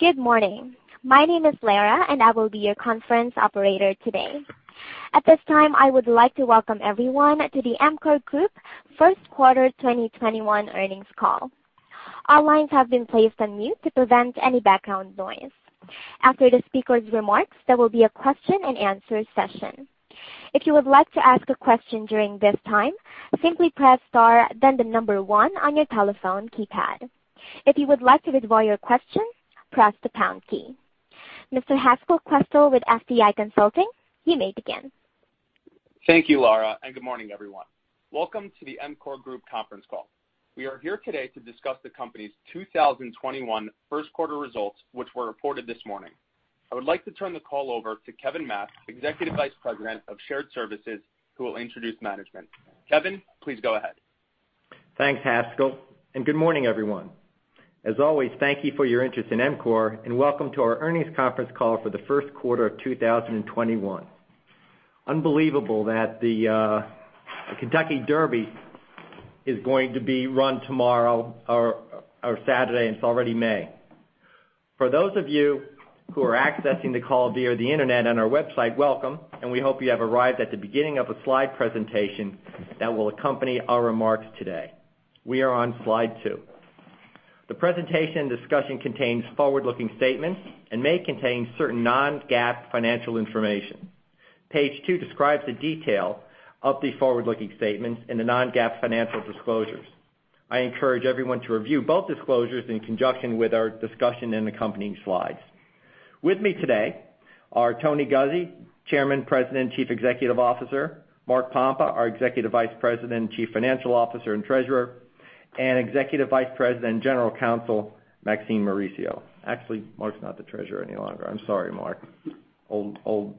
Good morning. My name is Lara, and I will be your conference operator today. At this time, I would like to welcome everyone to the EMCOR Group first quarter 2021 earnings call. All lines have been placed on mute to prevent any background noise. After the speaker's remarks, there will be a question-and-answer session. If you would like to ask a question during this time, simply press star then the number one on your telephone keypad. If you would like to withdraw your question, press the pound key. Mr. Haskel Kwestel with FTI Consulting, you may begin. Thank you, Lara, and good morning, everyone. Welcome to the EMCOR Group conference call. We are here today to discuss the company's 2021 first quarter results, which were reported this morning. I would like to turn the call over to Kevin Matz, Executive Vice President of Shared Services, who will introduce management. Kevin, please go ahead. Thanks, Haskel. Good morning, everyone. As always, thank you for your interest in EMCOR, and welcome to our earnings conference call for the first quarter of 2021. Unbelievable that the Kentucky Derby is going to be run tomorrow or Saturday, and it's already May. For those of you who are accessing the call via the internet on our website, welcome, and we hope you have arrived at the beginning of a slide presentation that will accompany our remarks today. We are on slide two. The presentation and discussion contains forward-looking statements and may contain certain non-GAAP financial information. Page two describes the detail of the forward-looking statements and the non-GAAP financial disclosures. I encourage everyone to review both disclosures in conjunction with our discussion and accompanying slides. With me today are Tony Guzzi, Chairman, President, and Chief Executive Officer, Mark Pompa, our Executive Vice President and Chief Financial Officer and Treasurer, and Executive Vice President General Counsel, Maxine Mauricio. Mark's not the treasurer any longer. I'm sorry, Mark. Old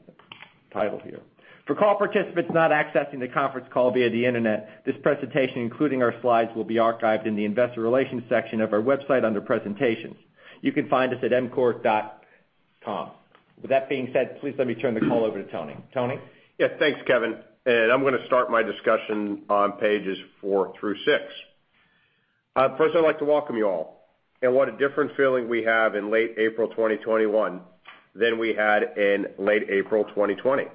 title here. For call participants not accessing the conference call via the internet, this presentation, including our slides, will be archived in the investor relations section of our website under presentations. You can find us at emcor.com. With that being said, please let me turn the call over to Tony. Tony? Yeah. Thanks, Kevin. I'm going to start my discussion on pages four through six. First, I'd like to welcome you all. What a different feeling we have in late April 2021 than we had in late April 2020,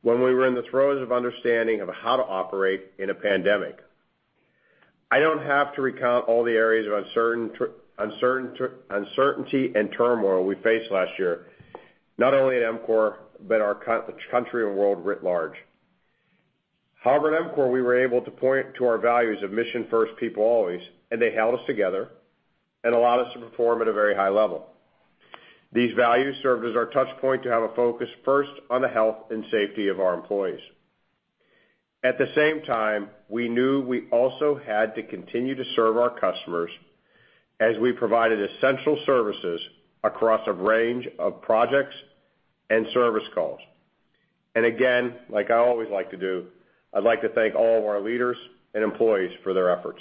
when we were in the throes of understanding of how to operate in a pandemic. I don't have to recount all the areas of uncertainty and turmoil we faced last year, not only at EMCOR, but our country and world writ large. However, at EMCOR, we were able to point to our values of mission first, people always, and they held us together and allowed us to perform at a very high level. These values served as our touch point to have a focus first on the health and safety of our employees. At the same time, we knew we also had to continue to serve our customers as we provided essential services across a range of projects and service calls. Again, like I always like to do, I'd like to thank all of our leaders and employees for their efforts.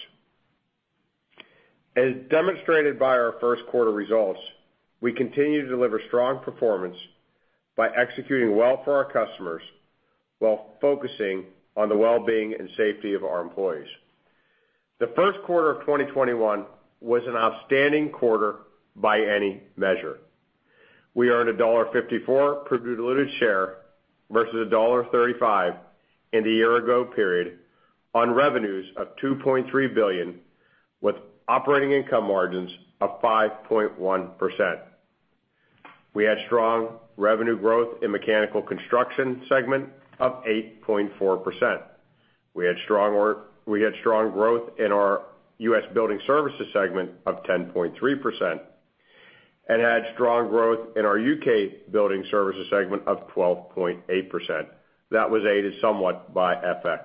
As demonstrated by our first quarter results, we continue to deliver strong performance by executing well for our customers while focusing on the well-being and safety of our employees. The first quarter of 2021 was an outstanding quarter by any measure. We earned $1.54 per diluted share versus $1.35 in the year ago period on revenues of $2.3 billion, with operating income margins of 5.1%. We had strong revenue growth in Mechanical Construction Segment of 8.4%. We had strong growth in our U.S. Building Services Segment of 10.3%, and had strong growth in our U.K. Building Services Segment of 12.8%. That was aided somewhat by FX.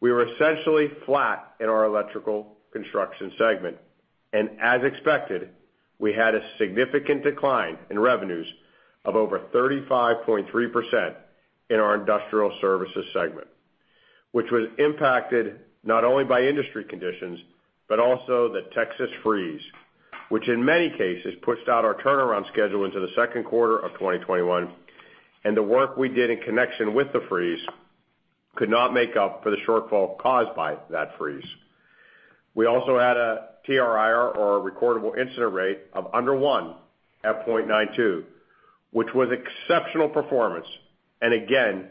We were essentially flat in our electrical construction segment, as expected, we had a significant decline in revenues of over 35.3% in our industrial services segment, which was impacted not only by industry conditions, but also the Texas freeze, which in many cases, pushed out our turnaround schedule into the second quarter of 2021, and the work we did in connection with the freeze could not make up for the shortfall caused by that freeze. We also had a TRIR or recordable incident rate of under one at 0.92, which was exceptional performance, and again,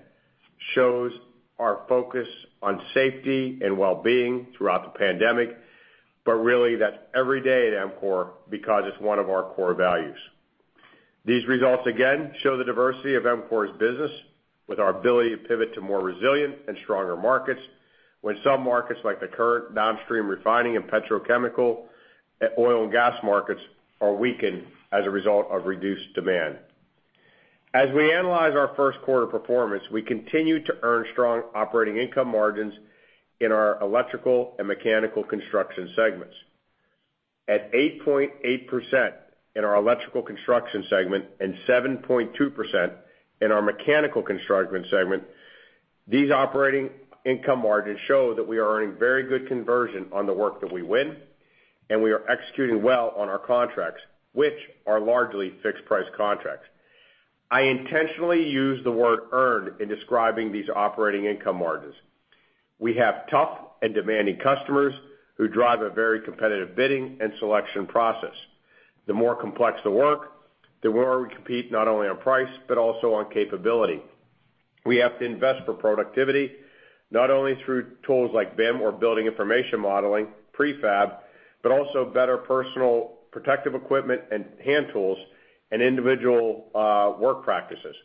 shows our focus on safety and well-being throughout the pandemic, but really that's every day at EMCOR because it's one of our core values. These results again show the diversity of EMCOR's business with our ability to pivot to more resilient and stronger markets when some markets like the current downstream refining and petrochemical oil and gas markets are weakened as a result of reduced demand. As we analyze our first quarter performance, we continue to earn strong operating income margins in our electrical and mechanical construction segments. At 8.8% in our electrical construction segment and 7.2% in our mechanical construction segment, these operating income margins show that we are earning very good conversion on the work that we win and we are executing well on our contracts, which are largely fixed price contracts. I intentionally use the word earn in describing these operating income margins. We have tough and demanding customers who drive a very competitive bidding and selection process. The more complex the work, the more we compete not only on price but also on capability. We have to invest for productivity, not only through tools like BIM or building information modeling, prefab, but also better personal protective equipment and hand tools and individual work practices.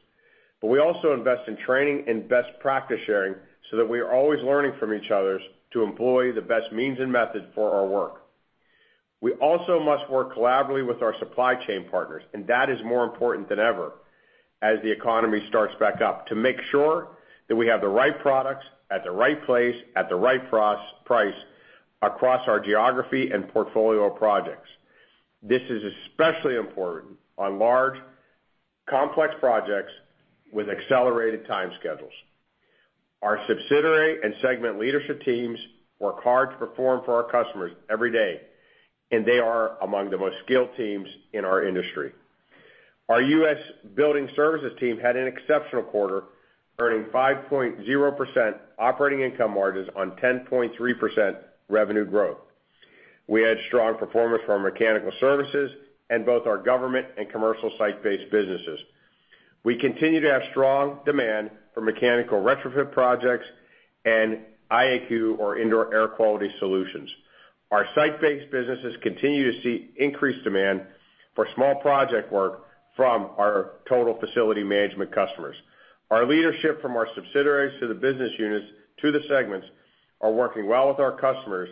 We also invest in training and best practice sharing so that we are always learning from each other to employ the best means and method for our work. We also must work collaboratively with our supply chain partners, and that is more important than ever as the economy starts back up to make sure that we have the right products at the right place at the right price across our geography and portfolio of projects. This is especially important on large, complex projects with accelerated time schedules. Our subsidiary and segment leadership teams work hard to perform for our customers every day. They are among the most skilled teams in our industry. Our U.S. Building Services team had an exceptional quarter, earning 5.0% operating income margins on 10.3% revenue growth. We had strong performance from our mechanical services and both our government and commercial site-based businesses. We continue to have strong demand for mechanical retrofit projects and IAQ, or indoor air quality solutions. Our site-based businesses continue to see increased demand for small project work from our total facility management customers. Our leadership from our subsidiaries to the business units to the segments are working well with our customers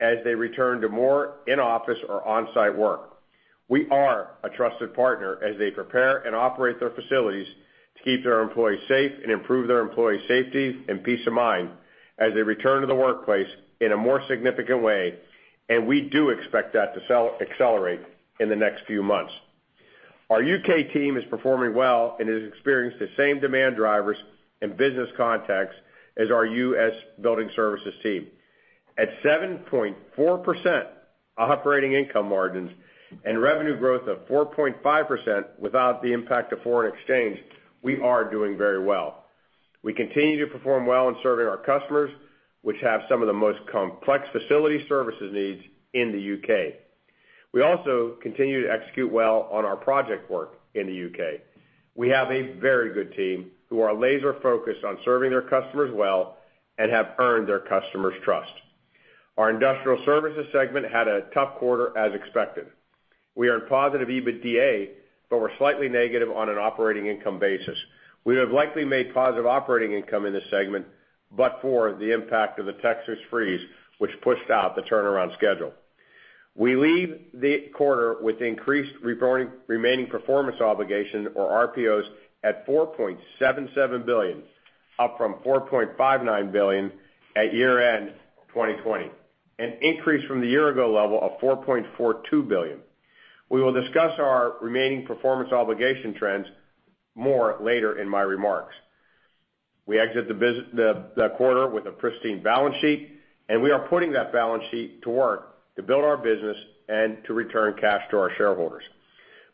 as they return to more in-office or on-site work. We are a trusted partner as they prepare and operate their facilities to keep their employees safe and improve their employees' safety and peace of mind as they return to the workplace in a more significant way, and we do expect that to accelerate in the next few months. Our U.K. team is performing well and has experienced the same demand drivers and business context as our U.S. building services team. At 7.4% operating income margins and revenue growth of 4.5% without the impact of foreign exchange, we are doing very well. We continue to perform well in serving our customers, which have some of the most complex facility services needs in the U.K. We also continue to execute well on our project work in the U.K. We have a very good team who are laser-focused on serving their customers well and have earned their customers' trust. Our industrial services segment had a tough quarter as expected. We are in positive EBITDA, but we're slightly negative on an operating income basis. We have likely made positive operating income in this segment, but for the impact of the Texas freeze, which pushed out the turnaround schedule. We leave the quarter with increased remaining performance obligation or RPOs at $4.77 billion, up from $4.59 billion at year-end 2020, an increase from the year-ago level of $4.42 billion. We will discuss our remaining performance obligation trends more later in my remarks. We exit the quarter with a pristine balance sheet. We are putting that balance sheet to work to build our business and to return cash to our shareholders.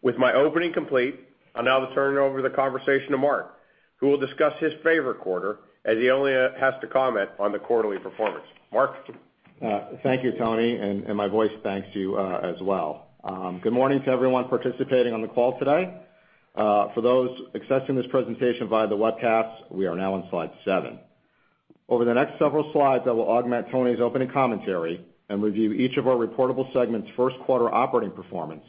With my opening complete, I'll now turn over the conversation to Mark, who will discuss his favorite quarter as he only has to comment on the quarterly performance. Mark? Thank you, Tony, and my voice thanks you as well. Good morning to everyone participating on the call today. For those accessing this presentation via the webcast, we are now on slide seven. Over the next several slides, I will augment Tony's opening commentary and review each of our reportable segments' first quarter operating performance,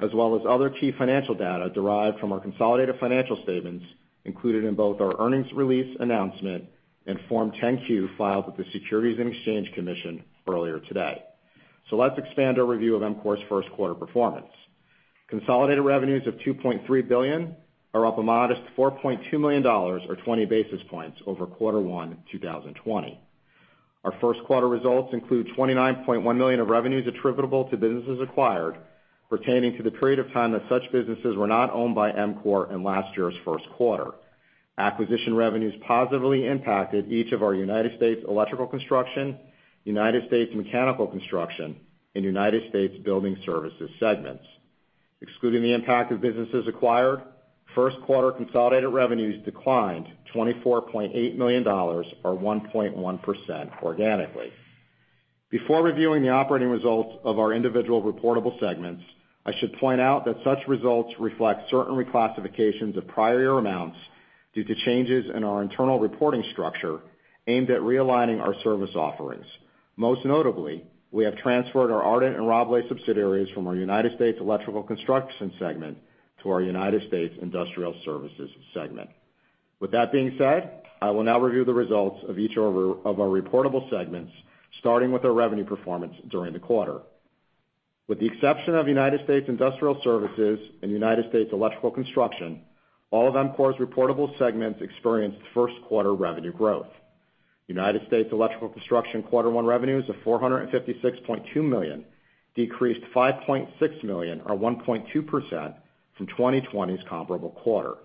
as well as other key financial data derived from our consolidated financial statements included in both our earnings release announcement and Form 10-Q filed with the Securities and Exchange Commission earlier today. Let's expand our review of EMCOR's first quarter performance. Consolidated revenues of $2.3 billion are up a modest $4.2 million or 20 basis points over Quarter 1 2020. Our first quarter results include $29.1 million of revenues attributable to businesses acquired pertaining to the period of time that such businesses were not owned by EMCOR in last year's first quarter. Acquisition revenues positively impacted each of our United States Electrical Construction, United States Mechanical Construction and United States Building Services segments. Excluding the impact of businesses acquired, first quarter consolidated revenues declined $24.8 million or 1.1% organically. Before reviewing the operating results of our individual reportable segments, I should point out that such results reflect certain reclassifications of prior year amounts due to changes in our internal reporting structure aimed at realigning our service offerings. Most notably, we have transferred our Ardent and Rabalais subsidiaries from our United States Electrical Construction segment to our United States Industrial Services segment. With that being said, I will now review the results of each of our reportable segments, starting with our revenue performance during the quarter. With the exception of United States Industrial Services and United States Electrical Construction, all of EMCOR's reportable segments experienced first quarter revenue growth. U.S. Electrical Construction quarter one revenues of $456.2 million decreased $5.6 million or 1.2% from 2020's comparable quarter.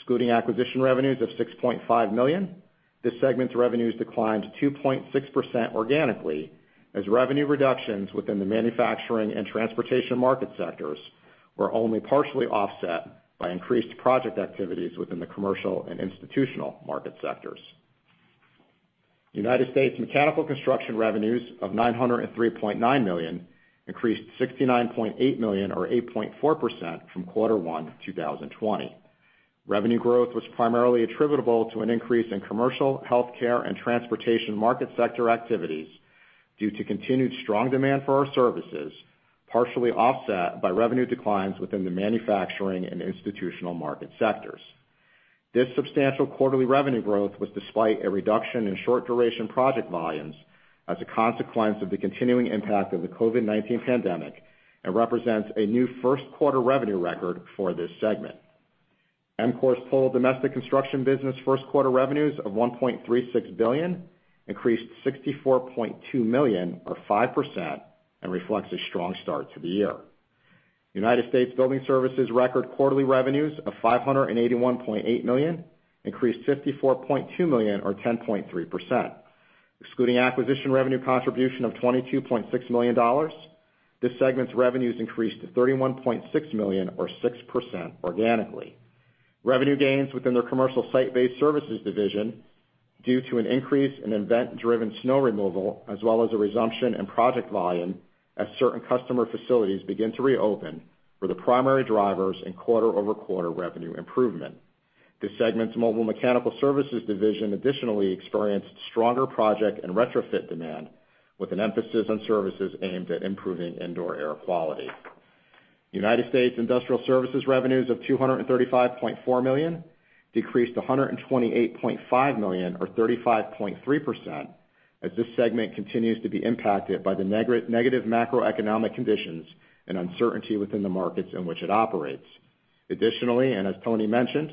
Excluding acquisition revenues of $6.5 million, this segment's revenues declined 2.6% organically, as revenue reductions within the manufacturing and transportation market sectors were only partially offset by increased project activities within the commercial and institutional market sectors. U.S. Mechanical Construction revenues of $903.9 million increased $69.8 million or 8.4% from quarter one 2020. Revenue growth was primarily attributable to an increase in commercial healthcare and transportation market sector activities due to continued strong demand for our services, partially offset by revenue declines within the manufacturing and institutional market sectors. This substantial quarterly revenue growth was despite a reduction in short duration project volumes as a consequence of the continuing impact of the COVID-19 pandemic, and represents a new first quarter revenue record for this segment. EMCOR's total domestic construction business first quarter revenues of $1.36 billion increased $64.2 million or 5%, and reflects a strong start to the year. United States Building Services record quarterly revenues of $581.8 million increased $54.2 million or 10.3%. Excluding acquisition revenue contribution of $22.6 million, this segment's revenues increased to $31.6 million or 6% organically. Revenue gains within their commercial site-based services division due to an increase in event-driven snow removal as well as a resumption in project volume as certain customer facilities begin to reopen were the primary drivers in quarter-over-quarter revenue improvement. This segment's mobile mechanical services division additionally experienced stronger project and retrofit demand with an emphasis on services aimed at improving indoor air quality. U.S. Industrial Services revenues of $235.4 million decreased $128.5 million or 35.3% as this segment continues to be impacted by the negative macroeconomic conditions and uncertainty within the markets in which it operates. Additionally, and as Tony mentioned,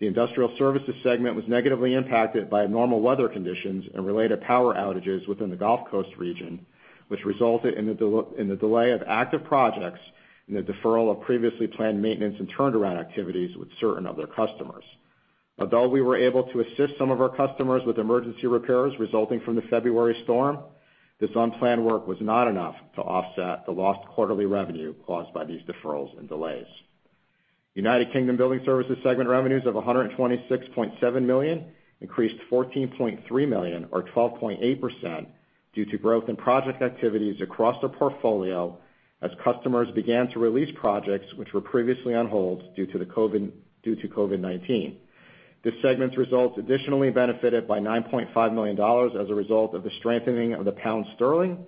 the Industrial Services segment was negatively impacted by abnormal weather conditions and related power outages within the Gulf Coast region, which resulted in the delay of active projects and the deferral of previously planned maintenance and turnaround activities with certain of their customers. Although we were able to assist some of our customers with emergency repairs resulting from the February storm, this unplanned work was not enough to offset the lost quarterly revenue caused by these deferrals and delays. United Kingdom Building Services segment revenues of $126.7 million increased $14.3 million or 12.8% due to growth in project activities across their portfolio as customers began to release projects which were previously on hold due to COVID-19. This segment's results additionally benefited by $9.5 million as a result of the strengthening of the pound sterling,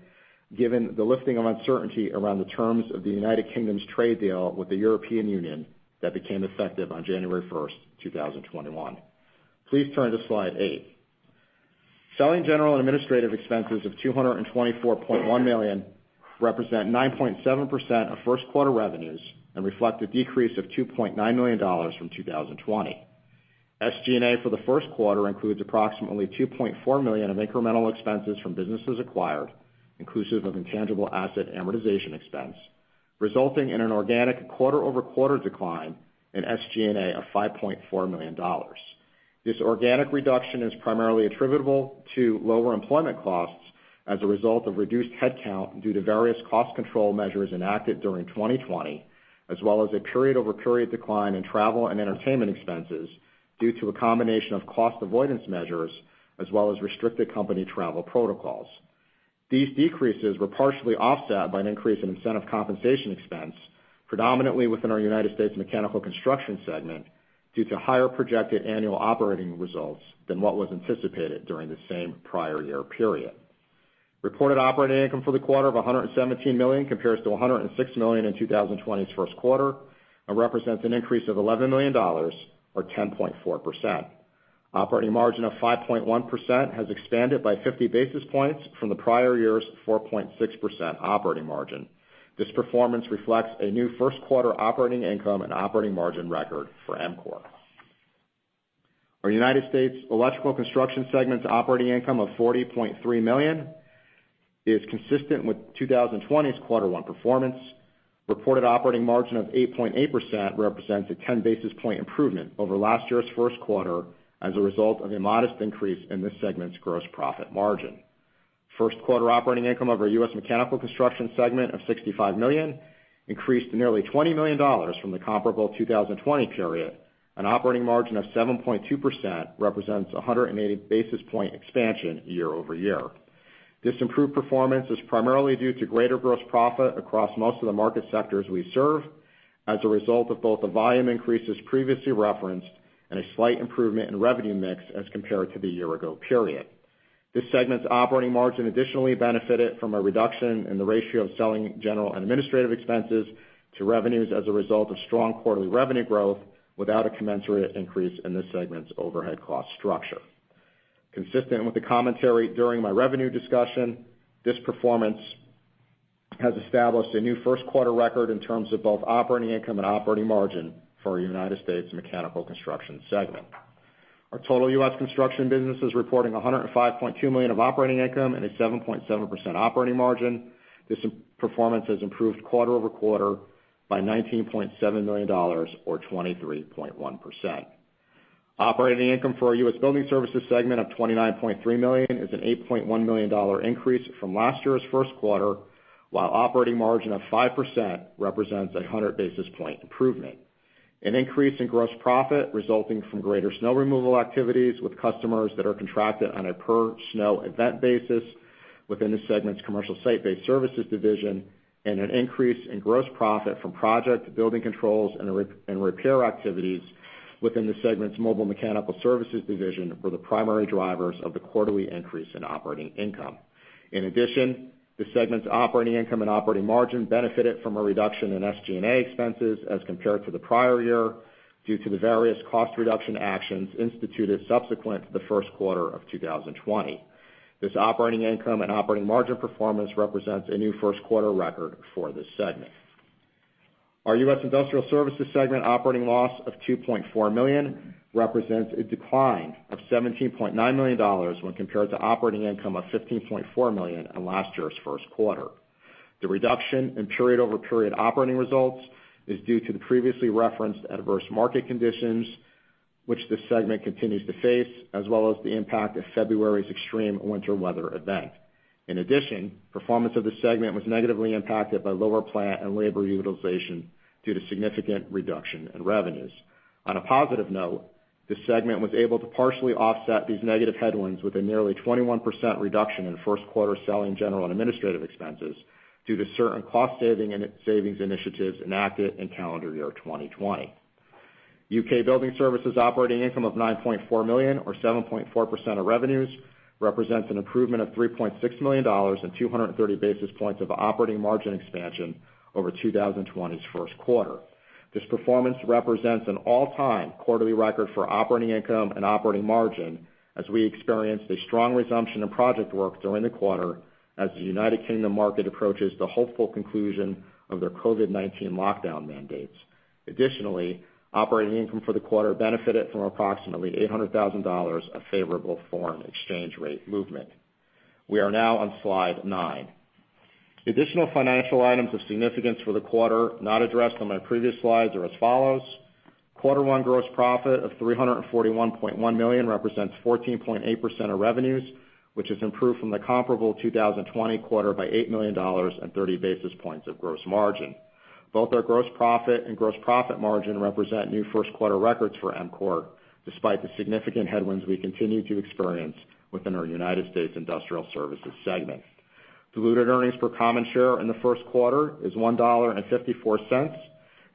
given the lifting of uncertainty around the terms of the United Kingdom's trade deal with the European Union that became effective on January 1st, 2021. Please turn to slide eight. Selling, general, and administrative expenses of $224.1 million represent 9.7% of first quarter revenues and reflect a decrease of $2.9 million from 2020. SG&A for the first quarter includes approximately $2.4 million of incremental expenses from businesses acquired, inclusive of intangible asset amortization expense, resulting in an organic quarter-over-quarter decline in SG&A of $5.4 million. This organic reduction is primarily attributable to lower employment costs as a result of reduced headcount due to various cost control measures enacted during 2020, as well as a period over period decline in travel and entertainment expenses due to a combination of cost avoidance measures as well as restricted company travel protocols. These decreases were partially offset by an increase in incentive compensation expense, predominantly within our United States Mechanical Construction segment, due to higher projected annual operating results than what was anticipated during the same prior year period. Reported operating income for the quarter of $117 million compares to $106 million in 2020's first quarter and represents an increase of $11 million or 10.4%. Operating margin of 5.1% has expanded by 50 basis points from the prior year's 4.6% operating margin. This performance reflects a new first quarter operating income and operating margin record for EMCOR. Our U.S. Electrical Construction segment's operating income of $40.3 million is consistent with 2020's quarter one performance. Reported operating margin of 8.8% represents a 10 basis point improvement over last year's first quarter as a result of a modest increase in this segment's gross profit margin. First quarter operating income of our U.S. Mechanical Construction segment of $65 million increased to nearly $20 million from the comparable 2020 period. An operating margin of 7.2% represents 180 basis point expansion year-over-year. This improved performance is primarily due to greater gross profit across most of the market sectors we serve as a result of both the volume increases previously referenced and a slight improvement in revenue mix as compared to the year ago period. This segment's operating margin additionally benefited from a reduction in the ratio of selling, general and administrative expenses to revenues as a result of strong quarterly revenue growth without a commensurate increase in this segment's overhead cost structure. Consistent with the commentary during my revenue discussion, this performance has established a new first quarter record in terms of both operating income and operating margin for U.S. Mechanical Construction segment. Our total U.S. construction business is reporting $105.2 million of operating income and a 7.7% operating margin. This performance has improved quarter-over-quarter by $19.7 million or 23.1%. Operating income for our U.S. Building Services segment of $29.3 million is an $8.1 million increase from last year's first quarter, while operating margin of 5% represents a 100-basis point improvement. An increase in gross profit resulting from greater snow removal activities with customers that are contracted on a per snow event basis within the segment's commercial site-based services division, and an increase in gross profit from project building controls and repair activities within the segment's mobile mechanical services division were the primary drivers of the quarterly increase in operating income. In addition, the segment's operating income and operating margin benefited from a reduction in SG&A expenses as compared to the prior year, due to the various cost-reduction actions instituted subsequent to the first quarter of 2020. This operating income and operating margin performance represents a new first-quarter record for this segment. Our U.S. industrial services segment operating loss of $2.4 million represents a decline of $17.9 million when compared to operating income of $15.4 million in last year's first quarter. The reduction in period-over-period operating results is due to the previously referenced adverse market conditions which this segment continues to face, as well as the impact of February's extreme winter weather event. In addition, performance of this segment was negatively impacted by lower plant and labor utilization due to significant reduction in revenues. On a positive note, this segment was able to partially offset these negative headwinds with a nearly 21% reduction in first quarter Selling, General and Administrative Expenses due to certain cost-savings initiatives enacted in calendar year 2020. U.K. building services operating income of $9.4 million or 7.4% of revenues represents an improvement of $3.6 million and 230 basis points of operating margin expansion over 2020's first quarter. This performance represents an all-time quarterly record for operating income and operating margin, as we experienced a strong resumption of project work during the quarter as the United Kingdom market approaches the hopeful conclusion of their COVID-19 lockdown mandates. Operating income for the quarter benefited from approximately $800,000 of favorable foreign exchange rate movement. We are now on slide nine. Additional financial items of significance for the quarter not addressed on my previous slides are as follows. Quarter one gross profit of $341.1 million represents 14.8% of revenues, which has improved from the comparable 2020 quarter by $8 million and 30 basis points of gross margin. Both our gross profit and gross profit margin represent new first-quarter records for EMCOR, despite the significant headwinds we continue to experience within our United States industrial services segment. Diluted earnings per common share in the first quarter is $1.54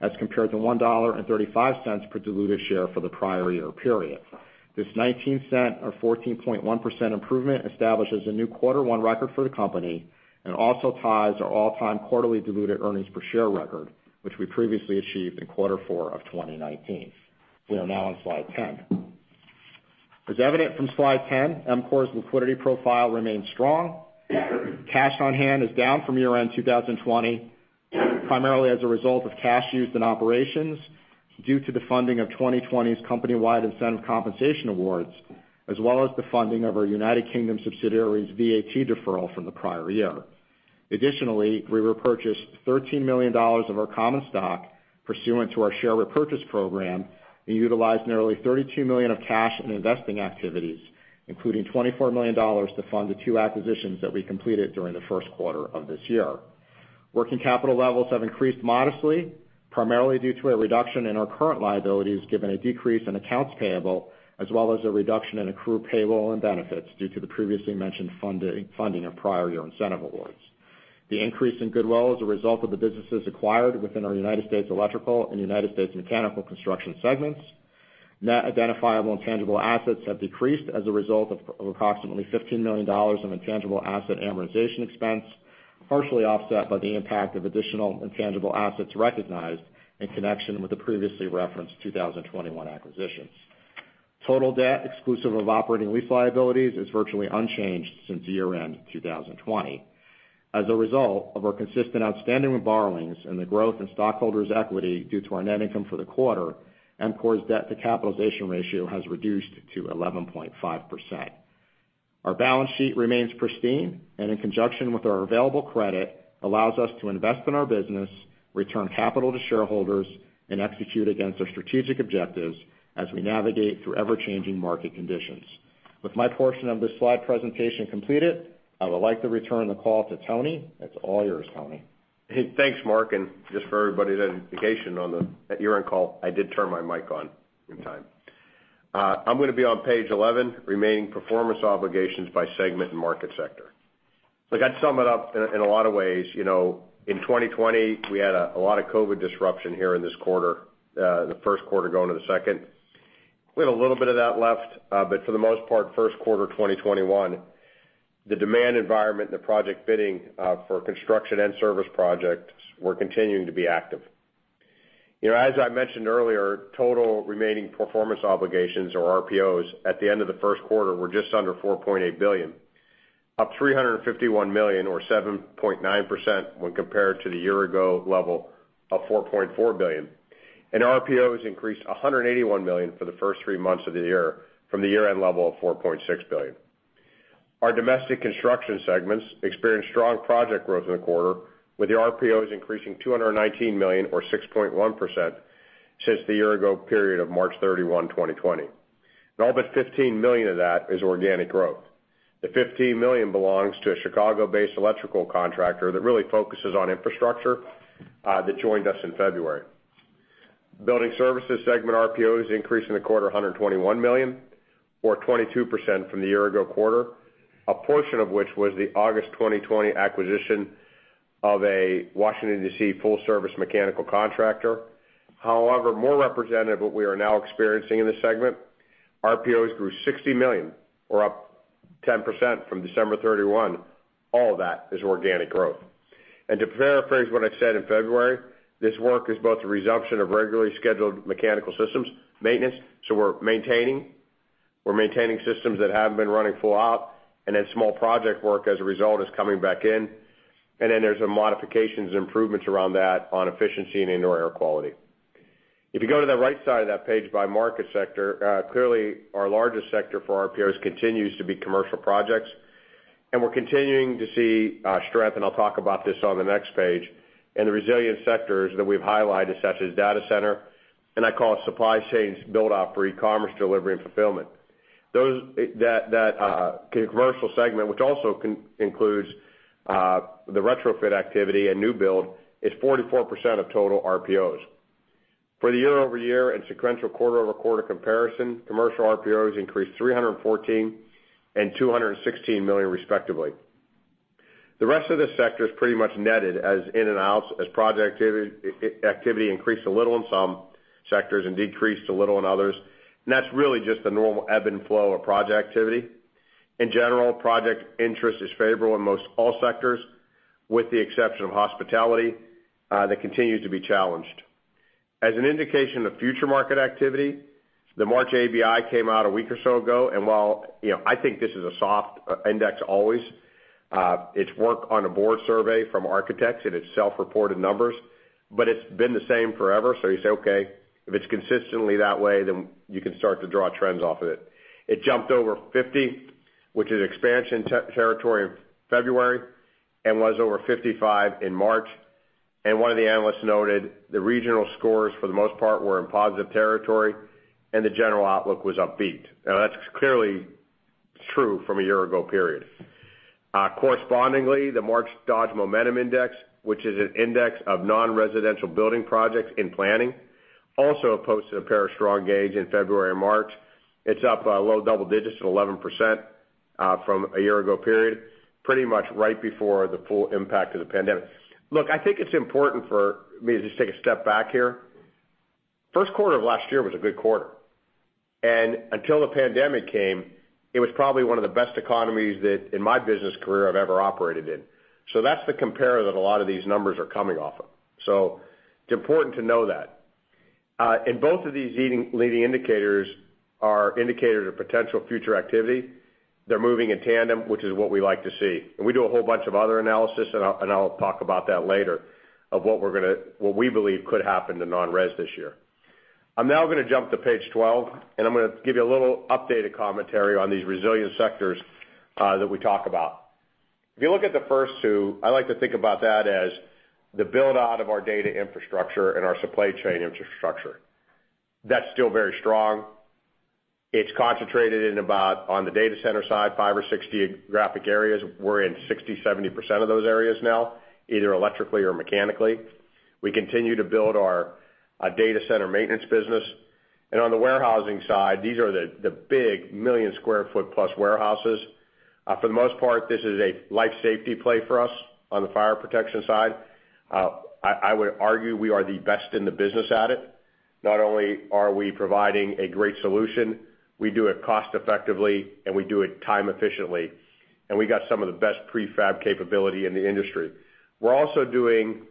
as compared to $1.35 per diluted share for the prior year period. This $0.19 or 14.1% improvement establishes a new quarter one record for the company and also ties our all-time quarterly diluted earnings per share record, which we previously achieved in quarter four of 2019. We are now on slide 10. As evident from slide 10, EMCOR's liquidity profile remains strong. Cash on hand is down from year-end 2020, primarily as a result of cash used in operations due to the funding of 2020's company-wide incentive compensation awards, as well as the funding of our United Kingdom subsidiary's VAT deferral from the prior year. Additionally, we repurchased $13 million of our common stock pursuant to our share repurchase program and utilized nearly $32 million of cash in investing activities, including $24 million to fund the two acquisitions that we completed during the first quarter of this year. Working capital levels have increased modestly, primarily due to a reduction in our current liabilities, given a decrease in accounts payable, as well as a reduction in accrued payable and benefits due to the previously mentioned funding of prior year incentive awards. The increase in goodwill is a result of the businesses acquired within our United States electrical and United States mechanical construction segments. Net identifiable intangible assets have decreased as a result of approximately $15 million of intangible asset amortization expense, partially offset by the impact of additional intangible assets recognized in connection with the previously referenced 2021 acquisitions. Total debt exclusive of operating lease liabilities is virtually unchanged since year-end 2020. As a result of our consistent outstanding borrowings and the growth in stockholders' equity due to our net income for the quarter, EMCOR's debt to capitalization ratio has reduced to 11.5%. Our balance sheet remains pristine, and in conjunction with our available credit, allows us to invest in our business, return capital to shareholders, and execute against our strategic objectives as we navigate through ever-changing market conditions. With my portion of this slide presentation completed, I would like to return the call to Tony. It's all yours, Tony. Hey, thanks, Mark. Just for everybody's identification on the year-end call, I did turn my mic on in time. I'm going to be on page 11, remaining performance obligations by segment and market sector. Look, I'd sum it up in a lot of ways. In 2020, we had a lot of COVID-19 disruption here in this quarter, the first quarter going into the second. We had a little bit of that left, but for the most part, first quarter 2021, the demand environment and the project bidding for construction and service projects were continuing to be active. As I mentioned earlier, total remaining performance obligations or RPOs at the end of the first quarter were just under $4.8 billion. Up $351 million or 7.9% when compared to the year ago level of $4.4 billion. RPOs increased $181 million for the first three months of the year from the year-end level of $4.6 billion. Our domestic construction segments experienced strong project growth in the quarter, with the RPOs increasing $219 million or 6.1% since the year-ago period of March 31, 2020. All but $15 million of that is organic growth. The $15 million belongs to a Chicago-based electrical contractor that really focuses on infrastructure, that joined us in February. Building services segment RPOs increased in the quarter $121 million or 22% from the year-ago quarter, a portion of which was the August 2020 acquisition of a Washington, D.C. full-service mechanical contractor. However, more representative of what we are now experiencing in this segment, RPOs grew $60 million or up 10% from December 31. All of that is organic growth. To paraphrase what I said in February, this work is both a resumption of regularly scheduled mechanical systems maintenance, so we're maintaining. We're maintaining systems that haven't been running full out, and then small project work as a result is coming back in, and then there's some modifications and improvements around that on efficiency and indoor air quality. If you go to the right side of that page by market sector, clearly our largest sector for RPOs continues to be commercial projects, and we're continuing to see strength, and I'll talk about this on the next page, in the resilient sectors that we've highlighted such as data center, and I call it supply chains build-out for e-commerce delivery and fulfillment. That commercial segment, which also includes the retrofit activity and new build, is 44% of total RPOs. For the year-over-year and sequential quarter-over-quarter comparison, commercial RPOs increased $314 million and $216 million respectively. The rest of this sector is pretty much netted as in and outs as project activity increased a little in some sectors and decreased a little in others, that's really just the normal ebb and flow of project activity. In general, project interest is favorable in most all sectors, with the exception of hospitality, that continues to be challenged. As an indication of future market activity, the March ABI came out a week or so ago, while I think this is a soft index always, it's work-on-the-board survey from architects and it's self-reported numbers, it's been the same forever, you say, okay, if it's consistently that way, then you can start to draw trends off of it. It jumped over 50, which is expansion territory in February and was over 55 in March. One of the analysts noted the regional scores for the most part were in positive territory and the general outlook was upbeat. Now that's clearly true from a year ago period. Correspondingly, the March Dodge Momentum Index, which is an index of non-residential building projects in planning, also posted a pair of strong gains in February and March. It's up low double digits at 11% from a year ago period, pretty much right before the full impact of the pandemic. Look, I think it's important for me to just take a step back here. First quarter of last year was a good quarter, and until the pandemic came, it was probably one of the best economies that in my business career I've ever operated in. That's the compare that a lot of these numbers are coming off of. It's important to know that. Both of these leading indicators are indicators of potential future activity. They're moving in tandem, which is what we like to see. We do a whole bunch of other analysis, and I'll talk about that later, of what we believe could happen to non-res this year. I'm now going to jump to page 12, and I'm going to give you a little updated commentary on these resilient sectors that we talk about. If you look at the first two, I like to think about that as the build-out of our data infrastructure and our supply chain infrastructure. That's still very strong. It's concentrated in about, on the data center side, five or six geographic areas. We're in 60%, 70% of those areas now, either electrically or mechanically. We continue to build our data center maintenance business. On the warehousing side, these are the big million square foot plus warehouses. For the most part, this is a life safety play for us on the fire protection side. I would argue we are the best in the business at it. Not only are we providing a great solution, we do it cost effectively and we do it time efficiently. We got some of the best prefab capability in the industry. We're also doing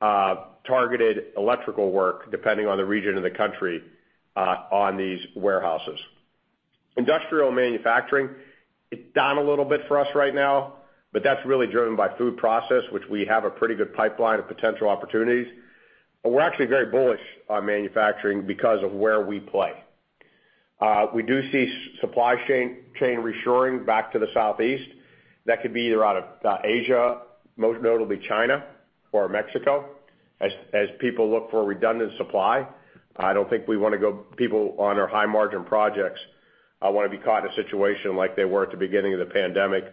targeted electrical work, depending on the region of the country, on these warehouses. Industrial manufacturing, it's down a little bit for us right now, but that's really driven by food process, which we have a pretty good pipeline of potential opportunities. We're actually very bullish on manufacturing because of where we play. We do see supply chain reshoring back to the Southeast. That could be either out of Asia, most notably China or Mexico, as people look for redundant supply. I don't think people on our high margin projects want to be caught in a situation like they were at the beginning of the pandemic,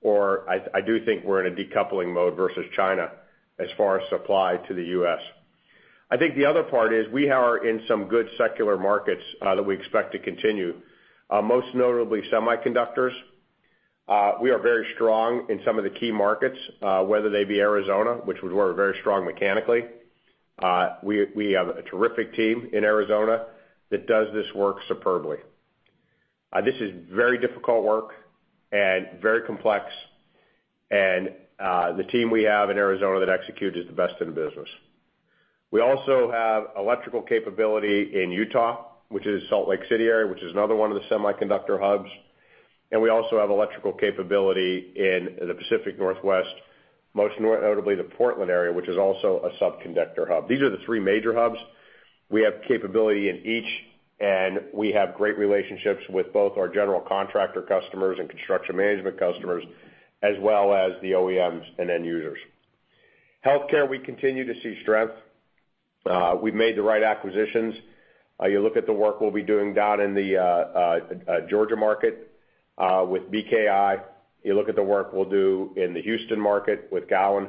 or I do think we're in a decoupling mode versus China as far as supply to the U.S. I think the other part is we are in some good secular markets that we expect to continue. Most notably semiconductors. We are very strong in some of the key markets, whether they be Arizona, which we're very strong mechanically. We have a terrific team in Arizona that does this work superbly. This is very difficult work and very complex and the team we have in Arizona that executes is the best in the business. We also have electrical capability in Utah, which is Salt Lake City area, which is another one of the semiconductor hubs. We also have electrical capability in the Pacific Northwest, most notably the Portland area, which is also a semiconductor hub. These are the three major hubs. We have capability in each, and we have great relationships with both our general contractor customers and construction management customers, as well as the OEMs and end users. Healthcare, we continue to see strength. We've made the right acquisitions. You look at the work we'll be doing down in the Georgia market with BKI. You look at the work we'll do in the Houston market with Gowan.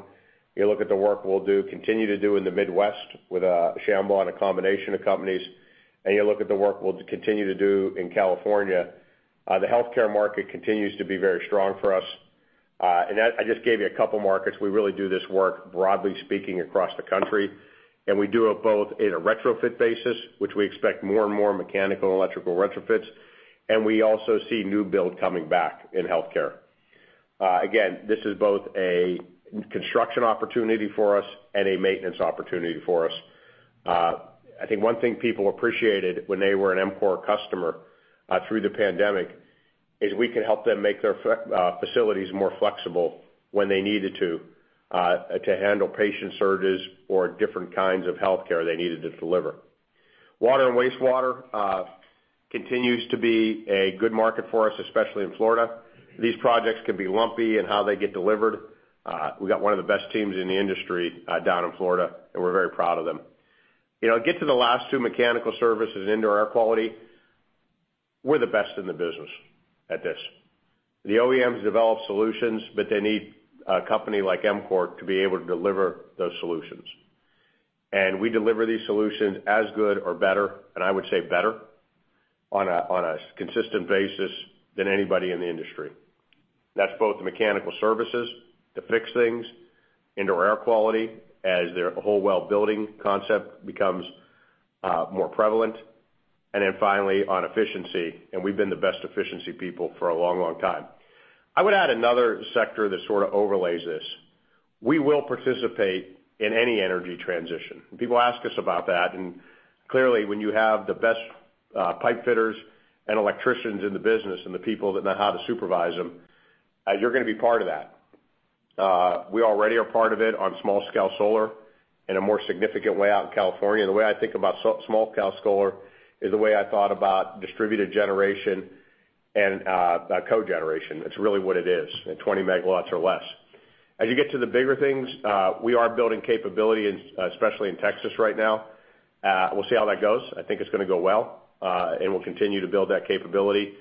You look at the work we'll continue to do in the Midwest with Shambaugh, a combination of companies. You look at the work we'll continue to do in California. The healthcare market continues to be very strong for us. I just gave you a couple markets. We really do this work, broadly speaking, across the country, and we do it both in a retrofit basis, which we expect more and more mechanical electrical retrofits, and we also see new build coming back in healthcare. Again, this is both a construction opportunity for us and a maintenance opportunity for us. I think one thing people appreciated when they were an EMCOR customer through the pandemic, is we could help them make their facilities more flexible when they needed to handle patient surges or different kinds of healthcare they needed to deliver. Water and wastewater continues to be a good market for us, especially in Florida. These projects can be lumpy in how they get delivered. We got one of the best teams in the industry down in Florida, and we're very proud of them. Get to the last two, mechanical services, indoor air quality. We're the best in the business at this. The OEMs develop solutions, but they need a company like EMCOR to be able to deliver those solutions. We deliver these solutions as good or better, and I would say better, on a consistent basis than anybody in the industry. That's both the mechanical services to fix things, indoor air quality, as their whole WELL Building concept becomes more prevalent, and then finally, on efficiency, and we've been the best efficiency people for a long time. I would add another sector that sort of overlays this. We will participate in any energy transition. Clearly, when you have the best pipe fitters and electricians in the business, and the people that know how to supervise them, you're going to be part of that. We already are part of it on small scale solar in a more significant way out in California. The way I think about small scale solar is the way I thought about distributed generation and cogeneration. It's really what it is, at 20 MW or less. As you get to the bigger things, we are building capability, especially in Texas right now. We'll see how that goes. I think it's going to go well, and we'll continue to build that capability.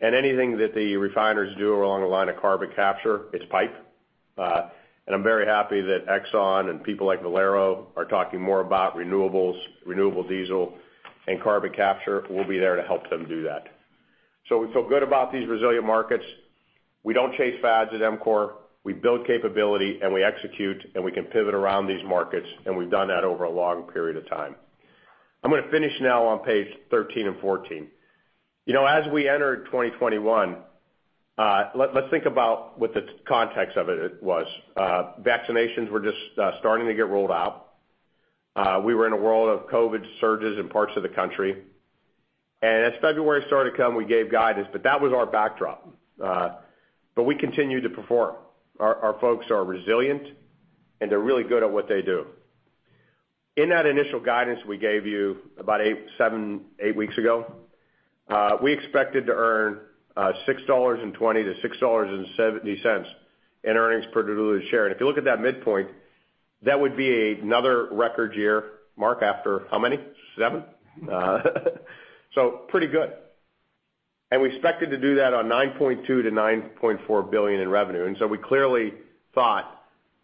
Anything that the refiners do along the line of carbon capture, it's pipe. I'm very happy that Exxon and people like Valero are talking more about renewables, renewable diesel and carbon capture. We'll be there to help them do that. We feel good about these resilient markets. We don't chase fads at EMCOR. We build capability and we execute, and we can pivot around these markets, and we've done that over a long period of time. I'm going to finish now on page 13 and 14. As we entered 2021, let's think about what the context of it was. Vaccinations were just starting to get rolled out. We were in a world of COVID surges in parts of the country. As February started to come, we gave guidance, but that was our backdrop. We continued to perform. Our folks are resilient, and they're really good at what they do. In that initial guidance we gave you about seven, eight weeks ago, we expected to earn $6.20 to $6.70 in earnings per diluted share. If you look at that midpoint, that would be another record year, Mark, after how many? Seven? Pretty good. We expected to do that on $9.2 billion-$9.4 billion in revenue. We clearly thought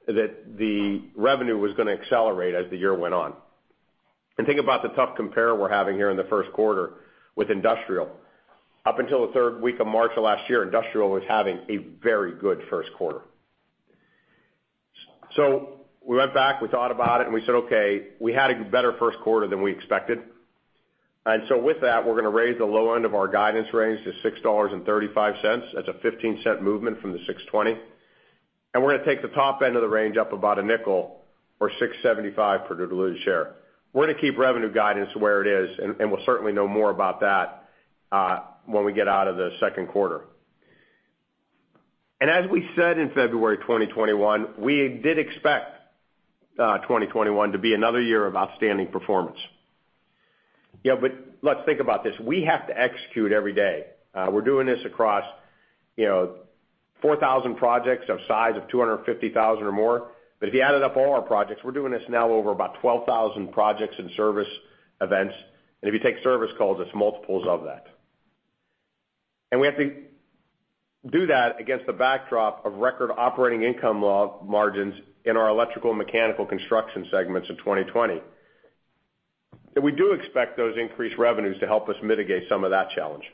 that the revenue was going to accelerate as the year went on. Think about the tough compare we're having here in the first quarter with industrial. Up until the third week of March of last year, industrial was having a very good first quarter. We went back, we thought about it, and we said, "Okay, we had a better first quarter than we expected." With that, we're going to raise the low end of our guidance range to $6.35. That's a $0.15 movement from the $6.20. We're going to take the top end of the range up about $0.05, or $6.75 per diluted share. We're going to keep revenue guidance where it is, we'll certainly know more about that when we get out of the second quarter. As we said in February 2021, we did expect 2021 to be another year of outstanding performance. Let's think about this. We have to execute every day. We're doing this across 4,000 projects of size of 250,000 or more. If you added up all our projects, we're doing this now over about 12,000 projects in service events. If you take service calls, it's multiples of that. We have to do that against the backdrop of record operating income margins in our electrical and mechanical construction segments in 2020. We do expect those increased revenues to help us mitigate some of that challenge.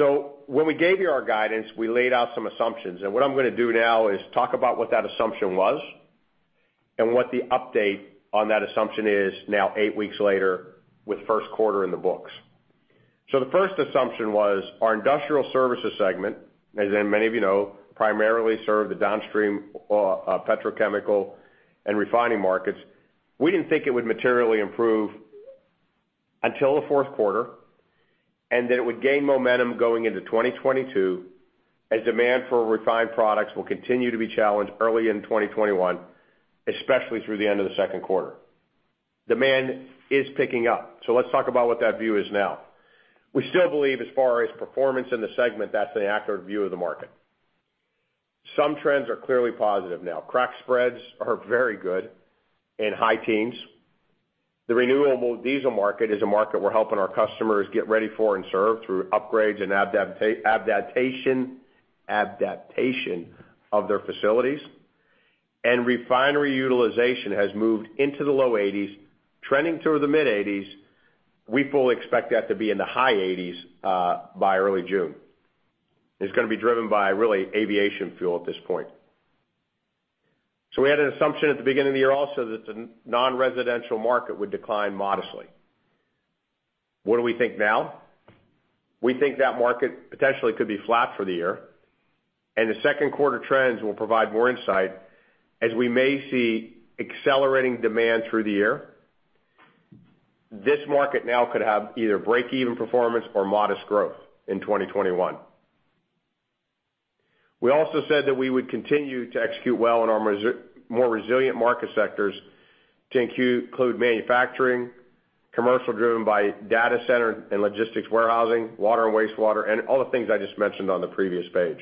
When we gave you our guidance, we laid out some assumptions. What I'm going to do now is talk about what that assumption was and what the update on that assumption is now eight weeks later with first quarter in the books. The first assumption was our industrial services segment, as many of you know, primarily serve the downstream petrochemical and refining markets. We didn't think it would materially improve until the fourth quarter, and that it would gain momentum going into 2022 as demand for refined products will continue to be challenged early in 2021, especially through the end of the second quarter. Demand is picking up. Let's talk about what that view is now. We still believe as far as performance in the segment, that's an accurate view of the market. Some trends are clearly positive now. Crack spreads are very good, in high teens. The renewable diesel market is a market we're helping our customers get ready for and serve through upgrades and adaptation of their facilities. Refinery utilization has moved into the low 80s, trending toward the mid 80s. We fully expect that to be in the high 80s by early June. It's going to be driven by really aviation fuel at this point. We had an assumption at the beginning of the year also that the non-residential market would decline modestly. What do we think now? We think that market potentially could be flat for the year, and the second quarter trends will provide more insight as we may see accelerating demand through the year. This market now could have either break even performance or modest growth in 2021. We also said that we would continue to execute well in our more resilient market sectors to include manufacturing, commercial driven by data center and logistics warehousing, water and wastewater, and all the things I just mentioned on the previous page.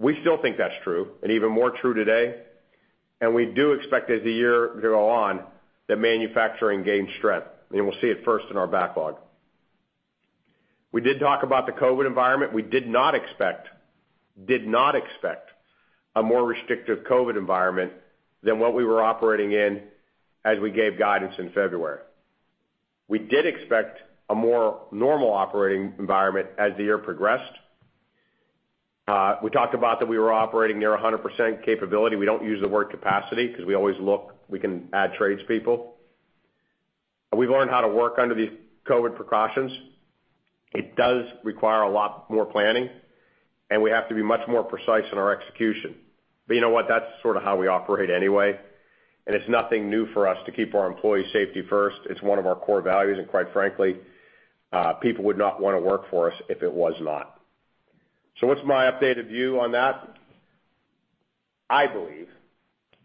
We still think that's true, and even more true today, and we do expect as the year go on, that manufacturing gains strength, and we'll see it first in our backlog. We did talk about the COVID environment. We did not expect a more restrictive COVID environment than what we were operating in as we gave guidance in February. We did expect a more normal operating environment as the year progressed. We talked about that we were operating near 100% capability. We don't use the word capacity because we always look, we can add trades people. We've learned how to work under these COVID-19 precautions. It does require a lot more planning, and we have to be much more precise in our execution. You know what? That's sort of how we operate anyway, and it's nothing new for us to keep our employee safety first. It's one of our core values, and quite frankly, people would not want to work for us if it was not. What's my updated view on that? I believe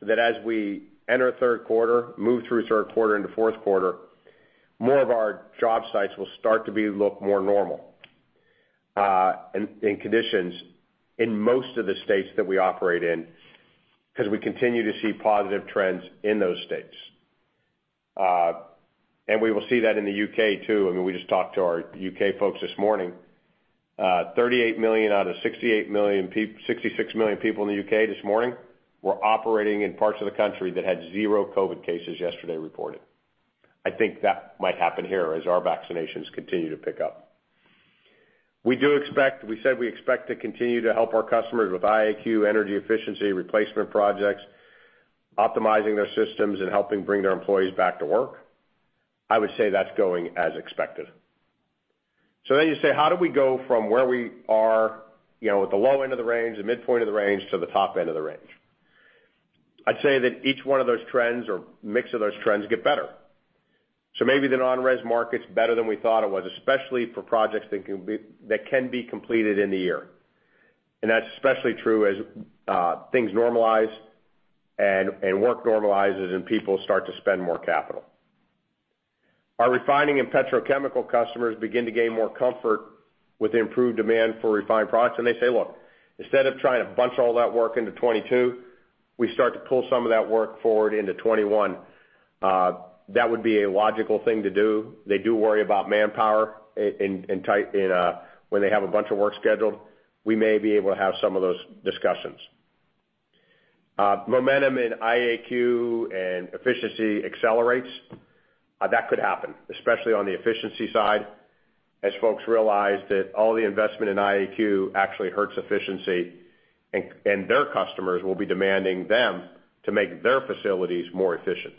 that as we enter third quarter, move through third quarter into fourth quarter, more of our job sites will start to look more normal in conditions in most of the states that we operate in, because we continue to see positive trends in those states. We will see that in the U.K. too. We just talked to our U.K. folks this morning. 38 million out of 66 million people in the U.K. this morning were operating in parts of the country that had zero COVID cases yesterday reported. I think that might happen here as our vaccinations continue to pick up. We said we expect to continue to help our customers with IAQ energy efficiency replacement projects, optimizing their systems, and helping bring their employees back to work. I would say that's going as expected. You say, how do we go from where we are with the low end of the range, the midpoint of the range, to the top end of the range? I'd say that each one of those trends or mix of those trends get better. Maybe the non-res market's better than we thought it was, especially for projects that can be completed in the year. That's especially true as things normalize and work normalizes and people start to spend more capital. Our refining and petrochemical customers begin to gain more comfort with improved demand for refined products, and they say, "Look, instead of trying to bunch all that work into 2022, we start to pull some of that work forward into 2021." That would be a logical thing to do. They do worry about manpower when they have a bunch of work scheduled. We may be able to have some of those discussions. Momentum in IAQ and efficiency accelerates. That could happen, especially on the efficiency side, as folks realize that all the investment in IAQ actually hurts efficiency, and their customers will be demanding them to make their facilities more efficient.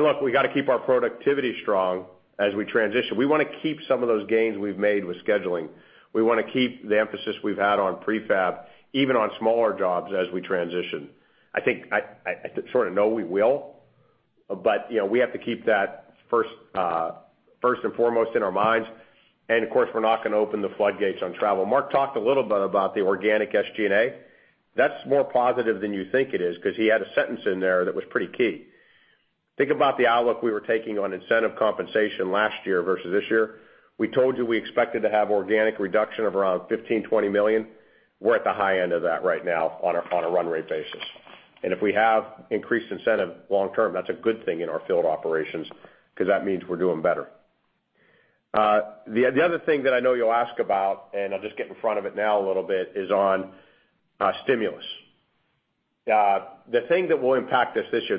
Look, we got to keep our productivity strong as we transition. We want to keep some of those gains we've made with scheduling. We want to keep the emphasis we've had on prefab, even on smaller jobs as we transition. I think I sort of know we will, but we have to keep that first and foremost in our minds. Of course, we're not going to open the floodgates on travel. Mark talked a little bit about the organic SGA. That's more positive than you think it is because he had a sentence in there that was pretty key. Think about the outlook we were taking on incentive compensation last year versus this year. We told you we expected to have organic reduction of around $15 million, $20 million. We're at the high end of that right now on a run rate basis. If we have increased incentive long-term, that's a good thing in our field operations because that means we're doing better. The other thing that I know you'll ask about, and I'll just get in front of it now a little bit, is on stimulus. The thing that will impact us this year,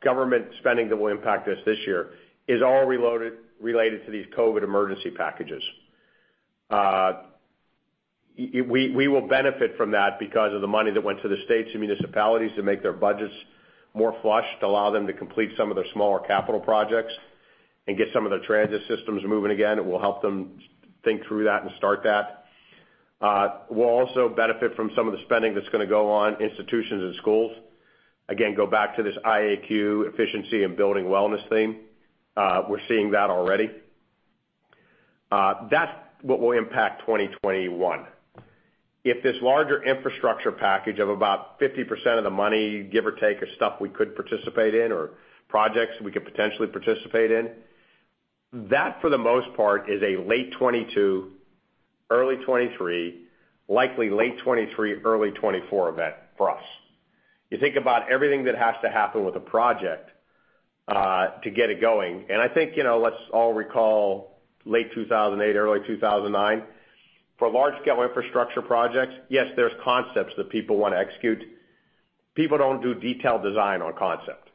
the government spending that will impact us this year is all related to these COVID-19 emergency packages. We will benefit from that because of the money that went to the states and municipalities to make their budgets more flushed, to allow them to complete some of their smaller capital projects and get some of their transit systems moving again. It will help them think through that and start that. We'll also benefit from some of the spending that's going to go on institutions and schools. Again, go back to this IAQ efficiency and building wellness theme. We're seeing that already. That's what will impact 2021. If this larger infrastructure package of about 50% of the money, give or take, is stuff we could participate in or projects we could potentially participate in, that, for the most part, is a late 2022, early 2023, likely late 2023, early 2024 event for us. You think about everything that has to happen with a project to get it going, and I think let's all recall late 2008, early 2009. For large-scale infrastructure projects, yes, there's concepts that people want to execute. People don't do detailed design on concept.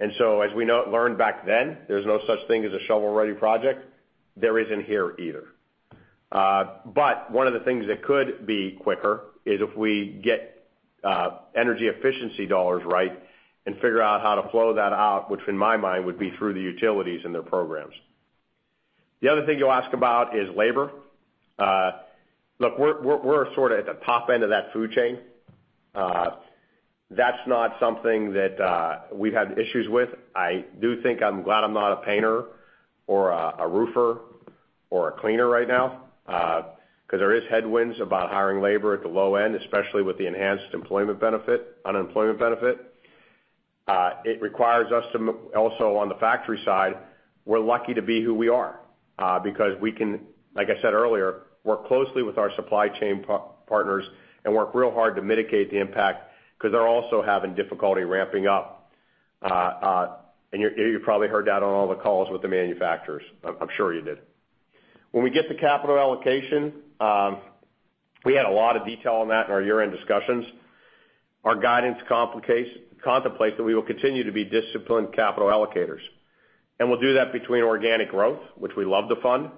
As we learned back then, there's no such thing as a shovel-ready project. There isn't here either. One of the things that could be quicker is if we get energy efficiency dollars right and figure out how to flow that out, which in my mind, would be through the utilities and their programs. The other thing you'll ask about is labor. Look, we're sort of at the top end of that food chain. That's not something that we've had issues with. I do think I'm glad I'm not a painter or a roofer or a cleaner right now, because there is headwinds about hiring labor at the low end, especially with the enhanced unemployment benefit. It requires us to also, on the factory side, we're lucky to be who we are, because we can, like I said earlier, work closely with our supply chain partners and work real hard to mitigate the impact, because they're also having difficulty ramping up. You probably heard that on all the calls with the manufacturers. I'm sure you did. When we get to capital allocation, we had a lot of detail on that in our year-end discussions. Our guidance contemplates that we will continue to be disciplined capital allocators. We'll do that between organic growth, which we love to fund,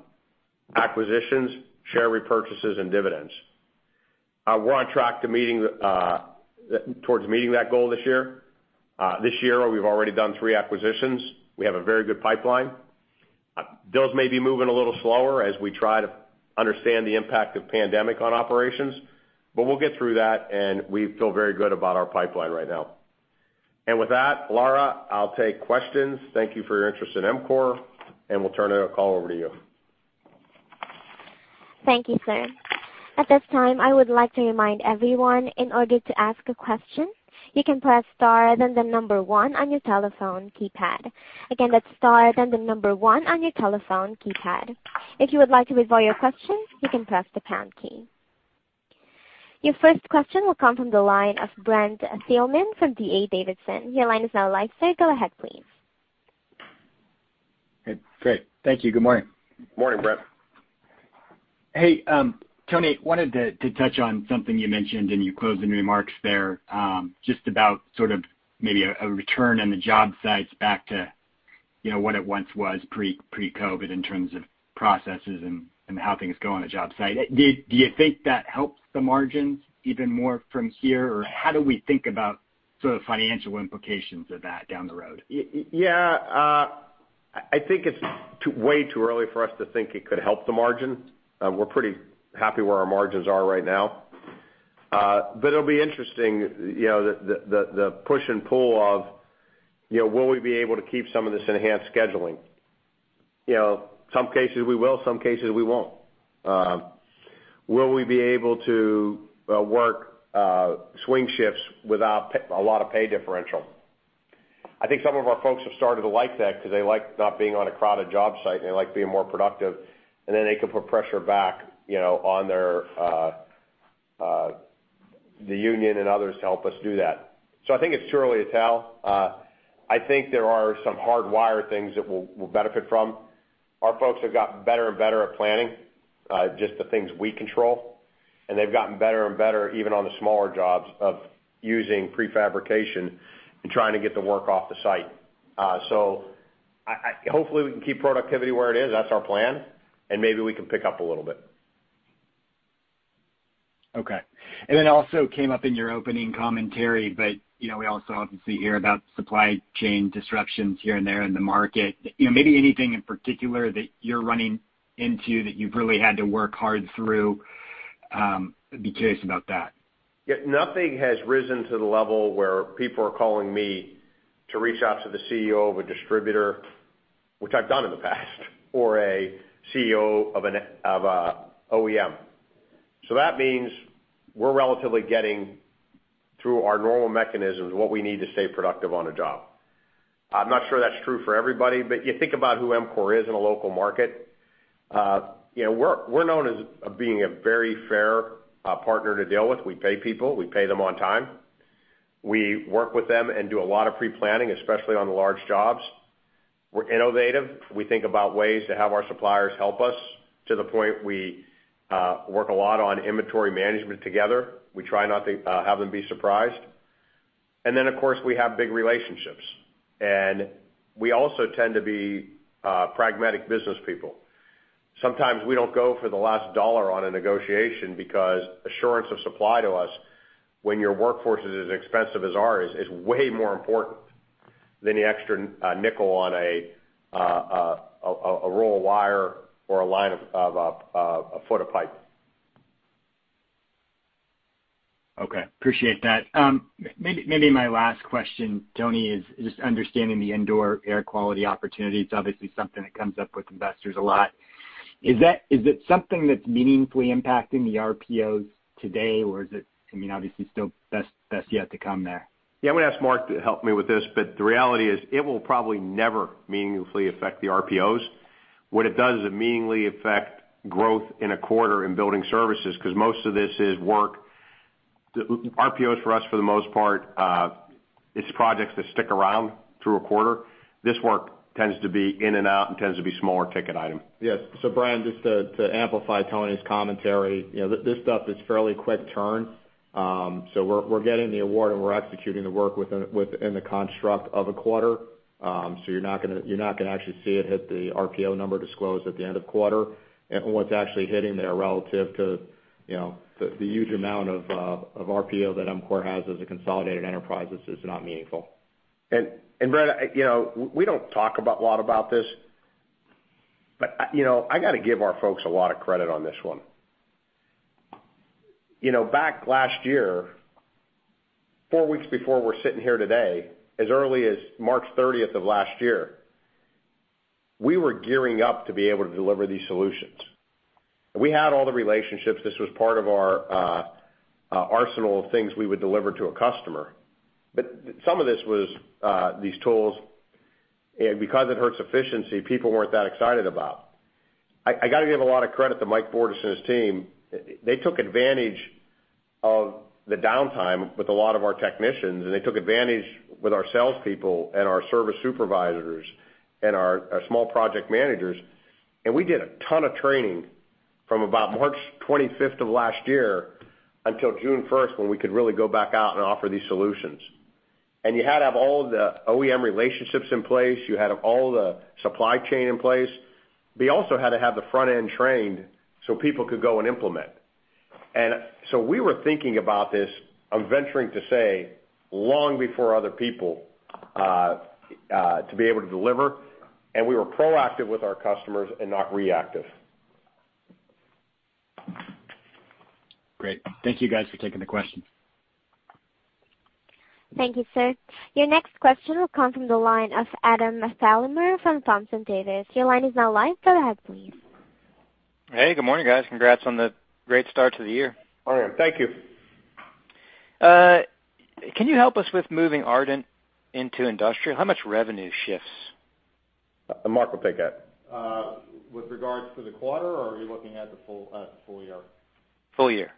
acquisitions, share repurchases, and dividends. We're on track towards meeting that goal this year. This year, we've already done three acquisitions. We have a very good pipeline. Those may be moving a little slower as we try to understand the impact of pandemic on operations, but we'll get through that, and we feel very good about our pipeline right now. With that, Lara, I'll take questions. Thank you for your interest in EMCOR, and we'll turn the call over to you. Thank you, sir. At this time, I would like to remind everyone, in order to ask a question, you can press star then the number one on your telephone keypad. Again, that's star then the number one on your telephone keypad. If you would like to withdraw your question, you can press the pound key. Your first question will come from the line of Brent Thielman from D.A. Davidson. Your line is now live, sir. Go ahead, please. Great. Thank you. Good morning. Morning, Brent. Hey, Tony, I wanted to touch on something you mentioned in your closing remarks there, just about sort of maybe a return in the job sites back to what it once was pre-COVID-19 in terms of processes and how things go on a job site. Do you think that helps the margins even more from here? How do we think about sort of financial implications of that down the road? I think it's way too early for us to think it could help the margin. We're pretty happy where our margins are right now. It'll be interesting, the push and pull of will we be able to keep some of this enhanced scheduling? Some cases we will, some cases we won't. Will we be able to work swing shifts without a lot of pay differential? I think some of our folks have started to like that because they like not being on a crowded job site, and they like being more productive. Then they can put pressure back on the union and others to help us do that. I think it's too early to tell. I think there are some hardwire things that we'll benefit from. Our folks have got better and better at planning, just the things we control. They've gotten better and better, even on the smaller jobs, of using prefabrication and trying to get the work off the site. Hopefully we can keep productivity where it is. That's our plan, and maybe we can pick up a little bit. Okay. It also came up in your opening commentary, but we also obviously hear about supply chain disruptions here and there in the market. Maybe anything in particular that you're running into that you've really had to work hard through? I'd be curious about that. Nothing has risen to the level where people are calling me to reach out to the CEO of a distributor, which I've done in the past, or a CEO of an OEM. That means we're relatively getting through our normal mechanisms, what we need to stay productive on a job. I'm not sure that's true for everybody, but you think about who EMCOR is in a local market. We're known as being a very fair partner to deal with. We pay people. We pay them on time. We work with them and do a lot of pre-planning, especially on the large jobs. We're innovative. We think about ways to have our suppliers help us to the point we work a lot on inventory management together. We try not to have them be surprised. Then, of course, we have big relationships. We also tend to be pragmatic business people. Sometimes we don't go for the last dollar on a negotiation because assurance of supply to us when your workforce is as expensive as ours, is way more important than the extra nickel on a roll of wire or a line of a foot of pipe. Okay. Appreciate that. Maybe my last question, Tony, is just understanding the indoor air quality opportunity. It's obviously something that comes up with investors a lot. Is it something that's meaningfully impacting the RPOs today or is it, I mean, obviously, still best yet to come there? Yeah, I'm going to ask Mark to help me with this, but the reality is it will probably never meaningfully affect the RPOs. What it does is it meaningfully affect growth in a quarter in Building Services, because most of this is work. RPOs for us, for the most part, it's projects that stick around through a quarter. This work tends to be in and out and tends to be smaller ticket item. Yes. Brent, just to amplify Tony's commentary, this stuff is fairly quick turn. We're getting the award and we're executing the work within the construct of a quarter. You're not going to actually see it hit the RPO number disclosed at the end of quarter. What's actually hitting there relative to the huge amount of RPO that EMCOR has as a consolidated enterprise is not meaningful. Brent, we don't talk a lot about this, but I got to give our folks a lot of credit on this one. Back last year, four weeks before we're sitting here today, as early as March 30th of last year, we were gearing up to be able to deliver these solutions. We had all the relationships. This was part of our arsenal of things we would deliver to a customer. Some of this was these tools, and because it hurts efficiency, people weren't that excited about. I got to give a lot of credit to Mike Bordes and his team. They took advantage of the downtime with a lot of our technicians, and they took advantage with our salespeople and our service supervisors and our small project managers. We did a ton of training from about March 25th of last year until June 1st, when we could really go back out and offer these solutions. You had to have all the OEM relationships in place. You had all the supply chain in place. They also had to have the front end trained so people could go and implement. We were thinking about this, I'm venturing to say, long before other people to be able to deliver, and we were proactive with our customers and not reactive. Great. Thank you guys for taking the question. Thank you, sir. Your next question will come from the line of Adam Thalhimer from Thompson Davis. Your line is now live. Go ahead, please. Hey, good morning, guys. Congrats on the great start to the year. Adam, thank you. Can you help us with moving Ardent into industrial? How much revenue shifts? Mark will take that. With regards to the quarter, or are you looking at the full-year? full-year.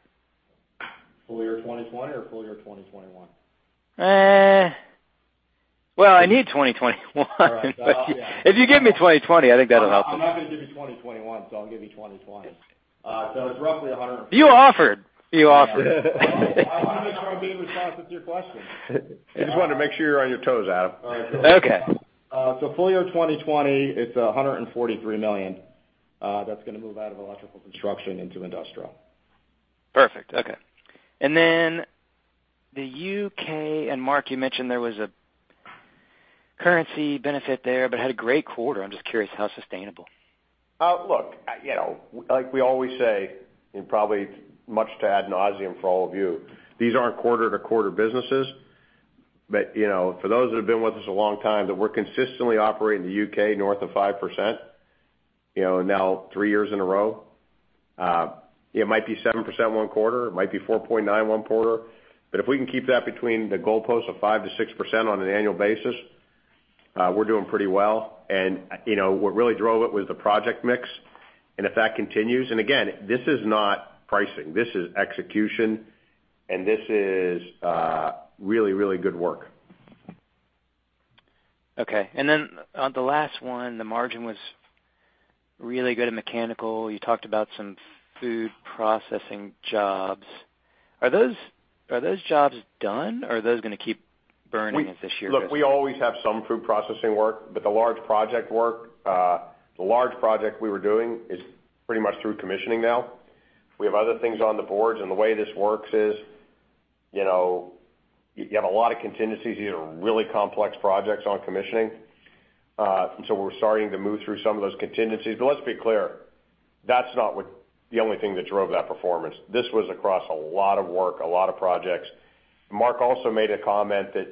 full-year 2020 or full-year 2021? Well, I need 2021. All right. If you give me 2020, I think that'll help me. I'm not going to give you 2021, so I'll give you 2020. It's roughly 100. You offered. I want to make sure I'm being responsive to your question. He just wanted to make sure you're on your toes, Adam. Okay. Full-year 2020, it's $143 million that's going to move out of electrical construction into industrial. Perfect. Okay. The U.K., Mark, you mentioned there was a currency benefit there, but had a great quarter. I'm just curious how sustainable. Look, like we always say, and probably much to ad nauseam for all of you, these aren't quarter-to-quarter businesses. For those that have been with us a long time, that we're consistently operating the U.K. north of 5%, now three years in a row. It might be 7% one quarter, it might be 4.9% one quarter. If we can keep that between the goalposts of 5%-6% on an annual basis, we're doing pretty well. What really drove it was the project mix. If that continues, and again, this is not pricing, this is execution, and this is really, really good work. Okay. The last one, the margin was really good in mechanical. You talked about some food processing jobs. Are those jobs done? Are those going to keep burning as this year goes? Look, we always have some food processing work, the large project work, the large project we were doing is pretty much through commissioning now. We have other things on the boards, the way this works is you have a lot of contingencies. These are really complex projects on commissioning. We're starting to move through some of those contingencies. Let's be clear, that's not the only thing that drove that performance. This was across a lot of work, a lot of projects. Mark also made a comment that,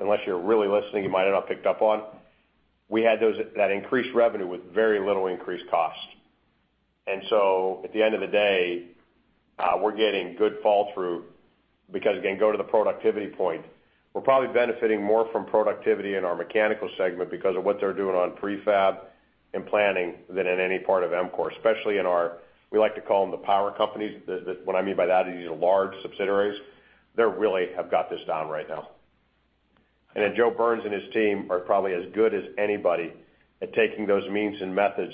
unless you're really listening, you might have not picked up on. We had that increased revenue with very little increased cost. At the end of the day, we're getting good fall through because, again, go to the productivity point. We're probably benefiting more from productivity in our mechanical segment because of what they're doing on prefab and planning than in any part of EMCOR. Especially in our, we like to call them the power companies. What I mean by that is these are large subsidiaries. They really have got this down right now. Joe Burns and his team are probably as good as anybody at taking those means and methods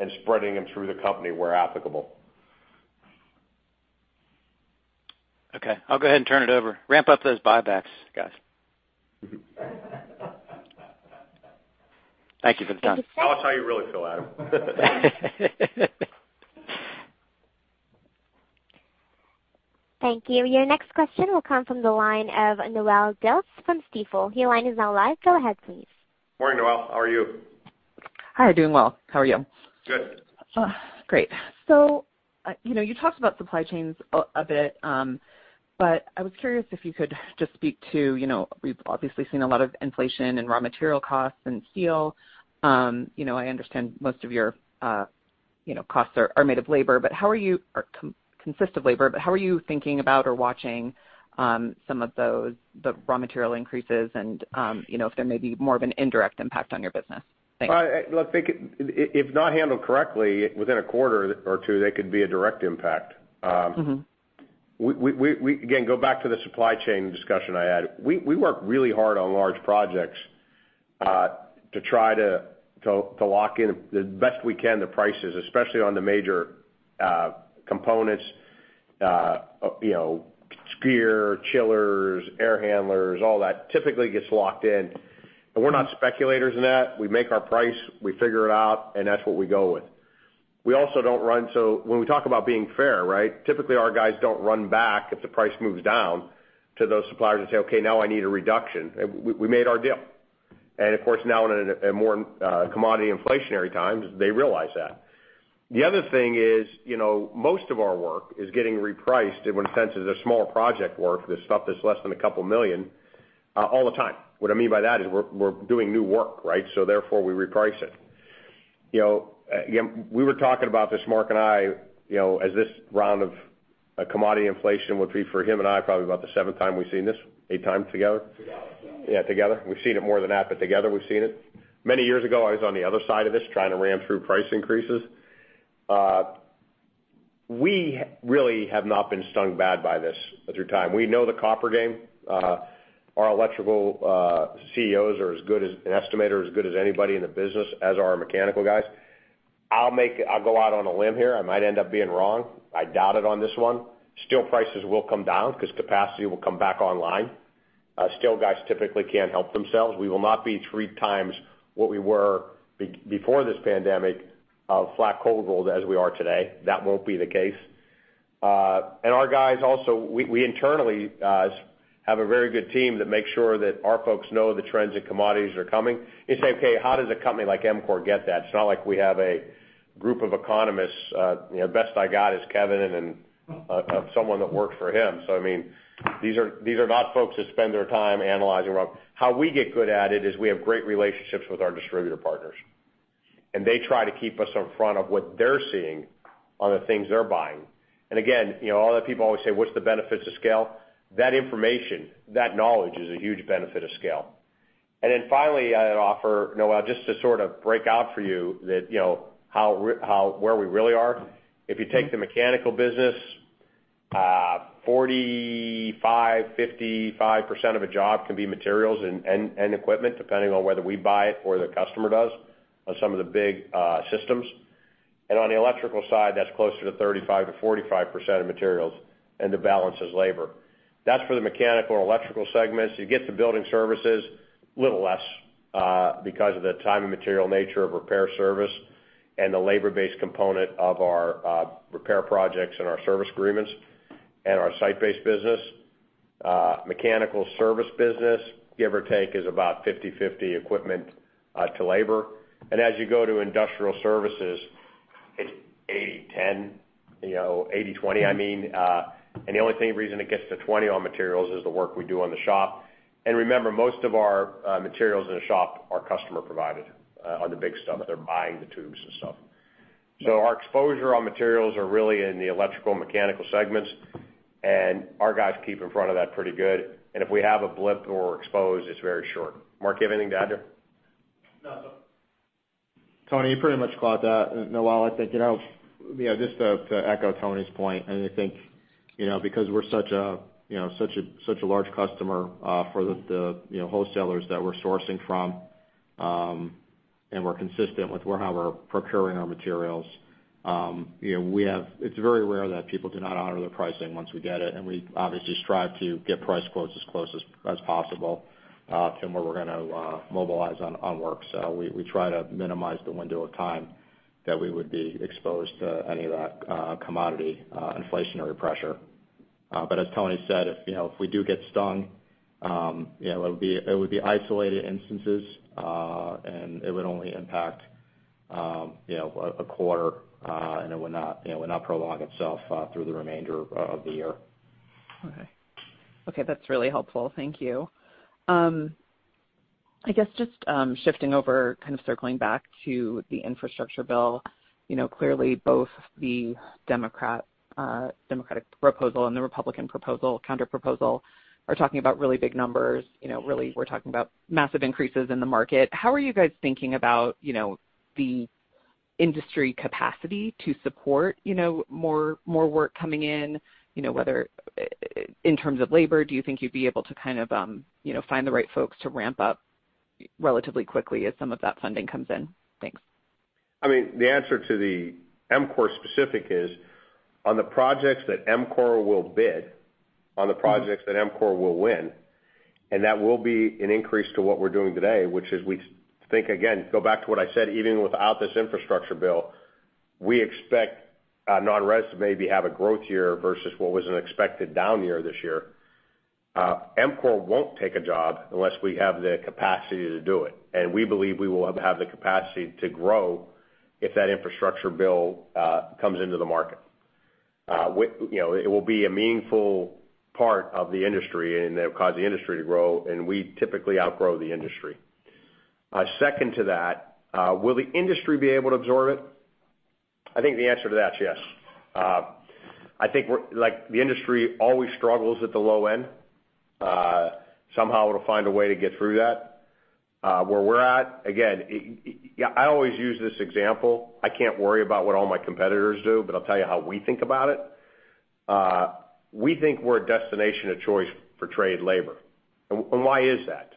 and spreading them through the company where applicable. Okay. I'll go ahead and turn it over. Ramp up those buybacks, guys. Thank you for the time. Tell us how you really feel, Adam. Thank you. Your next question will come from the line of Noelle Dilts from Stifel. Your line is now live. Go ahead, please. Morning, Noelle. How are you? Hi. Doing well. How are you? Good. Great. You talked about supply chains a bit, but I was curious if you could just speak to. We've obviously seen a lot of inflation in raw material costs and steel. I understand most of your costs are made of labor, or consist of labor, but how are you thinking about or watching some of those, the raw material increases and if there may be more of an indirect impact on your business? Thanks. If not handled correctly, within a quarter or two, they could be a direct impact. We, again, go back to the supply chain discussion I had. We work really hard on large projects, to try to lock in the best we can, the prices, especially on the major components, gear, chillers, air handlers, all that typically gets locked in. We're not speculators in that. We make our price, we figure it out, and that's what we go with. When we talk about being fair, right? Typically, our guys don't run back if the price moves down to those suppliers and say, "Okay, now I need a reduction." We made our deal. Of course, now in a more commodity inflationary times, they realize that. The other thing is, most of our work is getting repriced, in one sense, is the smaller project work, the stuff that's less than a couple million, all the time. What I mean by that is we're doing new work, right? Therefore, we reprice it. We were talking about this, Mark and I, as this round of commodity inflation would be for him and I, probably about the seventh time we've seen this, eighth time together? Together. Together. We've seen it more than that, but together we've seen it. Many years ago, I was on the other side of this trying to ram through price increases. We really have not been stung bad by this through time. We know the copper game. Our electrical CEOs are as good as an estimator, as good as anybody in the business, as are our mechanical guys. I'll go out on a limb here. I might end up being wrong. I doubt it on this one. Steel prices will come down because capacity will come back online. Steel guys typically can't help themselves. We will not be three times what we were before this pandemic of flat cold rolled as we are today. That won't be the case. Our guys also, we internally, have a very good team that makes sure that our folks know the trends in commodities that are coming and say, "Okay, how does a company like EMCOR get that?" It's not like we have a group of economists. Best I got is Kevin and someone that works for him. These are not folks that spend their time analyzing. How we get good at it is we have great relationships with our distributor partners, and they try to keep us in front of what they're seeing on the things they're buying. Again, all the people always say, "What's the benefits of scale?" That information, that knowledge, is a huge benefit of scale. Then finally, I'd offer, Noelle, just to sort of break out for you where we really are. If you take the mechanical business, 45%-55% of a job can be materials and equipment, depending on whether we buy it or the customer does, on some of the big systems. On the electrical side, that's closer to 35%-45% of materials, and the balance is labor. That's for the mechanical and electrical segments. You get to building services, little less, because of the time and material nature of repair service and the labor-based component of our repair projects and our service agreements and our site-based business. Mechanical service business, give or take, is about 50/50 equipment to labor. As you go to industrial services, it's 80/10, 80/20, I mean. The only reason it gets to 20 on materials is the work we do on the shop. Remember, most of our materials in the shop are customer provided on the big stuff. They're buying the tubes and stuff. Our exposure on materials are really in the electrical and mechanical segments, and our guys keep in front of that pretty good. If we have a blip or exposed, it's very short. Mark, you have anything to add there? No. Tony, you pretty much caught that. Noelle, I think, just to echo Tony's point, and I think, because we're such a large customer, for the wholesalers that we're sourcing from, and we're consistent with how we're procuring our materials. It's very rare that people do not honor their pricing once we get it. We obviously strive to get price quotes as close as possible to where we're going to mobilize on work. We try to minimize the window of time that we would be exposed to any of that commodity inflationary pressure. As Tony said, if we do get stung, it would be isolated instances, and it would only impact a quarter, and it would not prolong itself through the remainder of the year. Okay. That's really helpful. Thank you. I guess just shifting over, kind of circling back to the infrastructure bill. Clearly both the Democratic proposal and the Republican proposal, counterproposal, are talking about really big numbers. Really, we're talking about massive increases in the market. How are you guys thinking about the industry capacity to support more work coming in, whether in terms of labor, do you think you'd be able to kind of find the right folks to ramp up relatively quickly as some of that funding comes in? Thanks. The answer to the EMCOR specific is, on the projects that EMCOR will bid, on the projects that EMCOR will win, and that will be an increase to what we're doing today, which is, we think, again, go back to what I said, even without this infrastructure bill, we expect non-res to maybe have a growth year versus what was an expected down year this year. EMCOR won't take a job unless we have the capacity to do it, and we believe we will have the capacity to grow if that infrastructure bill comes into the market. It will be a meaningful part of the industry, and it'll cause the industry to grow, and we typically outgrow the industry. Second to that, will the industry be able to absorb it? I think the answer to that is yes. I think the industry always struggles at the low end. Somehow it'll find a way to get through that. Where we're at, again, I always use this example. I can't worry about what all my competitors do, but I'll tell you how we think about it. We think we're a destination of choice for trade labor. Why is that?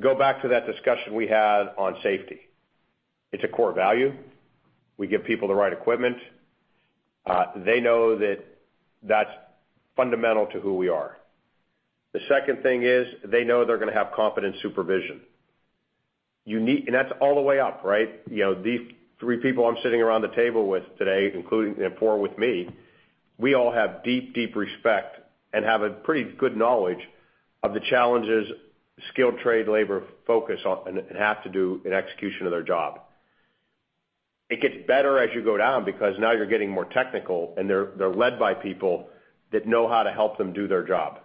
Go back to that discussion we had on safety. It's a core value. We give people the right equipment. They know that that's fundamental to who we are. The second thing is they know they're going to have competent supervision. That's all the way up, right? These three people I'm sitting around the table with today, including the four with me, we all have deep respect and have a pretty good knowledge of the challenges skilled trade labor focus on and have to do in execution of their job. It gets better as you go down because now you're getting more technical, and they're led by people that know how to help them do their job.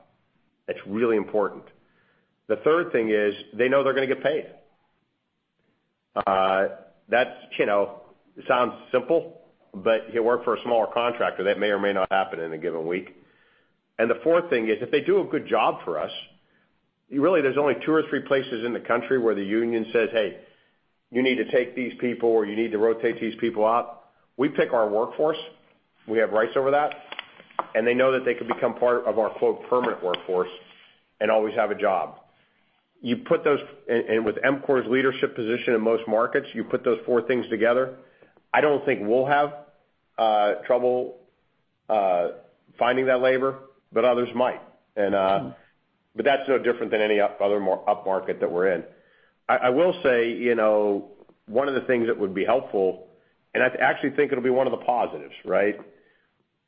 That's really important. The third thing is they know they're going to get paid. That sounds simple, but if you work for a smaller contractor, that may or may not happen in a given week. The fourth thing is, if they do a good job for us, really, there's only two or three places in the country where the union says, "Hey, you need to take these people, or you need to rotate these people out." We pick our workforce. We have rights over that, and they know that they could become part of our "permanent workforce" and always have a job. With EMCOR's leadership position in most markets, you put those four things together, I don't think we'll have trouble finding that labor, but others might. That's no different than any other upmarket that we're in. I will say, one of the things that would be helpful, and I actually think it'll be one of the positives,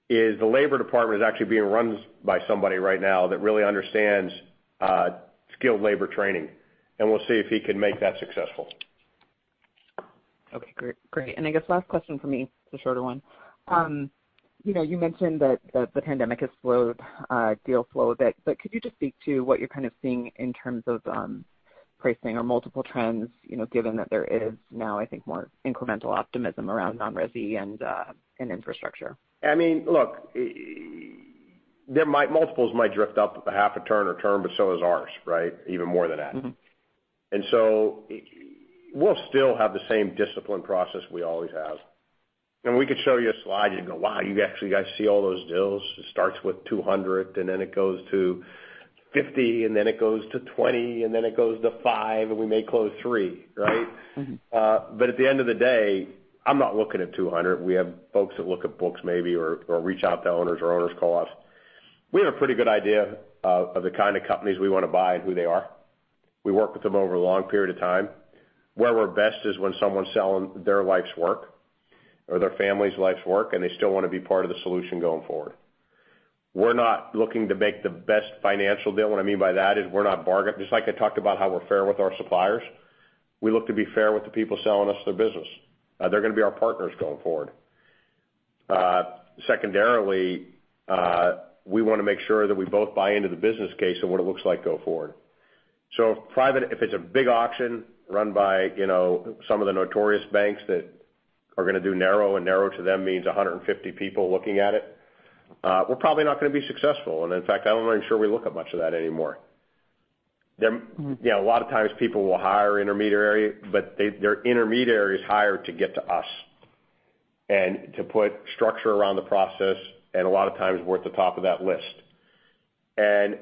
is the labor department is actually being run by somebody right now that really understands skilled labor training, and we'll see if he can make that successful. Okay, great. I guess last question from me, it's a shorter one. You mentioned that the pandemic has slowed deal flow a bit, but could you just speak to what you're kind of seeing in terms of pricing or multiple trends, given that there is now, I think, more incremental optimism around non-resi and infrastructure? Look, multiples might drift up a half a turn or turn, but so is ours, even more than that. We'll still have the same discipline process we always have. We could show you a slide, you'd go, "Wow, you actually got to see all those deals?" It starts with 200, and then it goes to 50, and then it goes to 20, and then it goes to five, and we may close three, right? At the end of the day, I'm not looking at 200. We have folks that look at books maybe, or reach out to owners or owners call us. We have a pretty good idea of the kind of companies we want to buy and who they are. We work with them over a long period of time. Where we're best is when someone's selling their life's work or their family's life's work, and they still want to be part of the solution going forward. We're not looking to make the best financial deal. What I mean by that is we're not bargain-- just like I talked about how we're fair with our suppliers, we look to be fair with the people selling us their business. They're going to be our partners going forward. Secondarily, we want to make sure that we both buy into the business case and what it looks like going forward. Private, if it's a big auction run by some of the notorious banks that are going to do narrow, and narrow to them means 150 people looking at it, we're probably not going to be successful. In fact, I'm not even sure we look at much of that anymore. A lot of times people will hire intermediary, but their intermediary is hired to get to us and to put structure around the process, and a lot of times we're at the top of that list.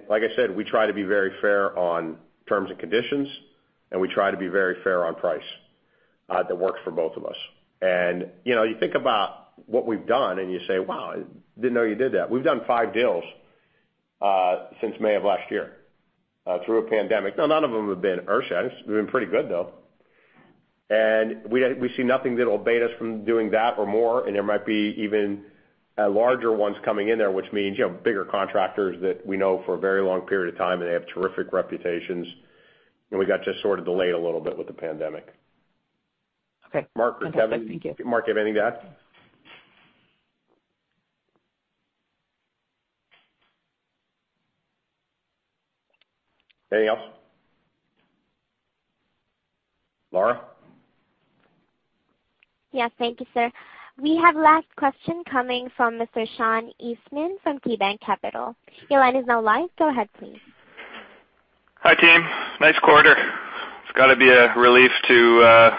Like I said, we try to be very fair on terms and conditions, and we try to be very fair on price that works for both of us. You think about what we've done, and you say, "Wow, didn't know you did that." We've done five deals since May of last year through a pandemic. Now, none of them have been [ushers]. We've been pretty good, though. We see nothing that'll bait us from doing that or more, and there might be even larger ones coming in there, which means bigger contractors that we know for a very long period of time, and they have terrific reputations, and we got just sort of delayed a little bit with the pandemic. Okay. Mark or Kevin. Sounds good. Thank you. Mark, you have anything to add? Anything else? Lara? Yes. Thank you, sir. We have last question coming from Mr. Sean Eastman from KeyBanc Capital. Your line is now live. Go ahead, please. Hi, team. Nice quarter. It's got to be a relief to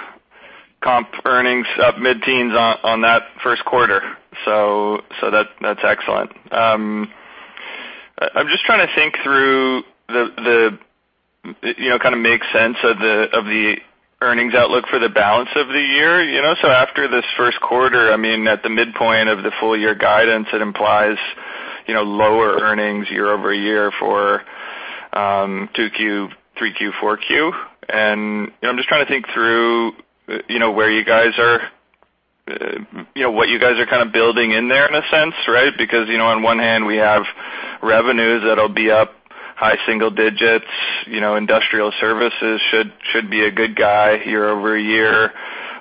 earnings up mid-teens on that first quarter. That's excellent. I'm just trying to think through, make sense of the earnings outlook for the balance of the year. After this first quarter, at the midpoint of the full-year guidance, it implies lower earnings year-over-year for 2Q, 3Q, 4Q. I'm just trying to think through what you guys are kind of building in there, in a sense, right? Because, on one hand, we have revenues that'll be up high single digits. Industrial services should be a good guy year-over-year.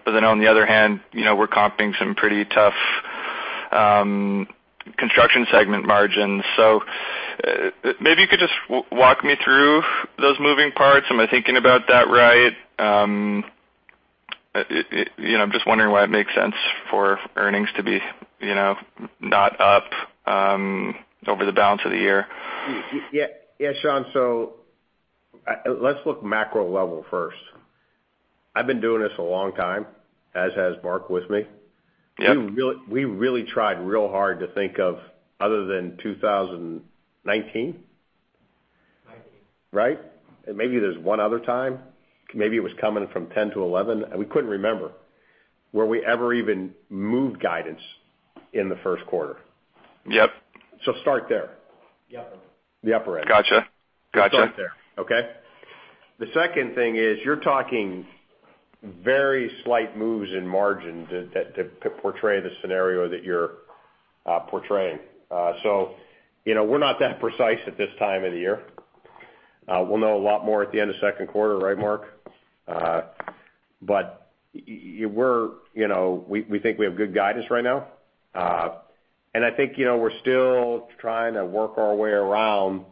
On the other hand, we're comping some pretty tough construction segment margins. Maybe you could just walk me through those moving parts. Am I thinking about that right? I'm just wondering why it makes sense for earnings to be not up over the balance of the year. Yeah, Sean, let's look macro level first. I've been doing this a long time, as has Mark with me. Yep. We really tried real hard to think of other than 2019? 19. Right? Maybe there's one other time. Maybe it was coming from 2010 to 2011. We couldn't remember where we ever even moved guidance in the first quarter. Yep. Start there. The upper end. The upper end. Got you. Let's start there. Okay. The second thing is you're talking very slight moves in margin to portray the scenario that you're portraying. We're not that precise at this time of the year. We'll know a lot more at the end of second quarter, right, Mark? We think we have good guidance right now. I think we're still trying to work our way around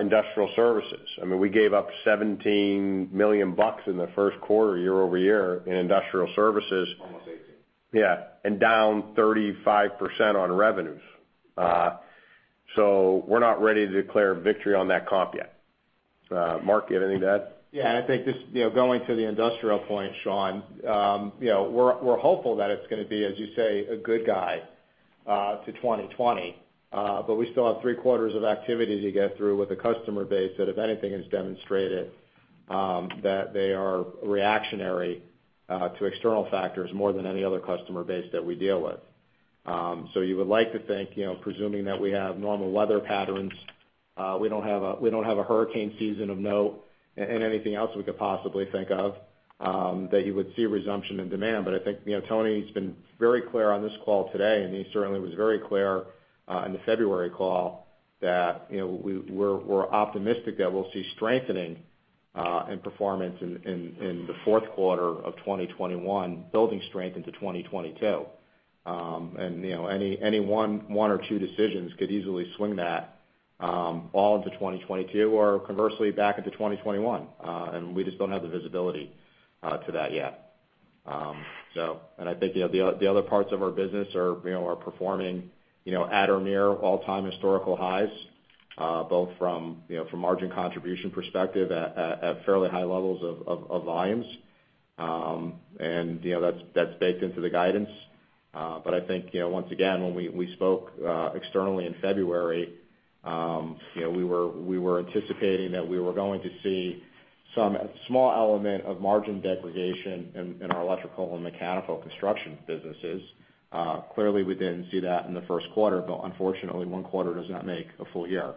industrial services. We gave up $17 million in the first quarter year-over-year in industrial services. Almost 18. Down 35% on revenues. We're not ready to declare victory on that comp yet. Mark, you have anything to add? I think just going to the industrial point, Sean, we're hopeful that it's going to be, as you say, a good guy to 2020. We still have three quarters of activity to get through with a customer base that, if anything, has demonstrated that they are reactionary to external factors more than any other customer base that we deal with. You would like to think, presuming that we have normal weather patterns, we don't have a hurricane season of note, and anything else we could possibly think of, that you would see a resumption in demand. I think Tony's been very clear on this call today, and he certainly was very clear on the February call, that we're optimistic that we'll see strengthening in performance in the fourth quarter of 2021, building strength into 2022. Any one or two decisions could easily swing that all into 2022 or conversely back into 2021. We just don't have the visibility to that yet. I think the other parts of our business are performing at or near all-time historical highs, both from margin contribution perspective at fairly high levels of volumes. That's baked into the guidance. I think, once again, when we spoke externally in February, we were anticipating that we were going to see some small element of margin degradation in our electrical and mechanical construction businesses. Clearly, we didn't see that in the first quarter, but unfortunately, one quarter does not make a full-year.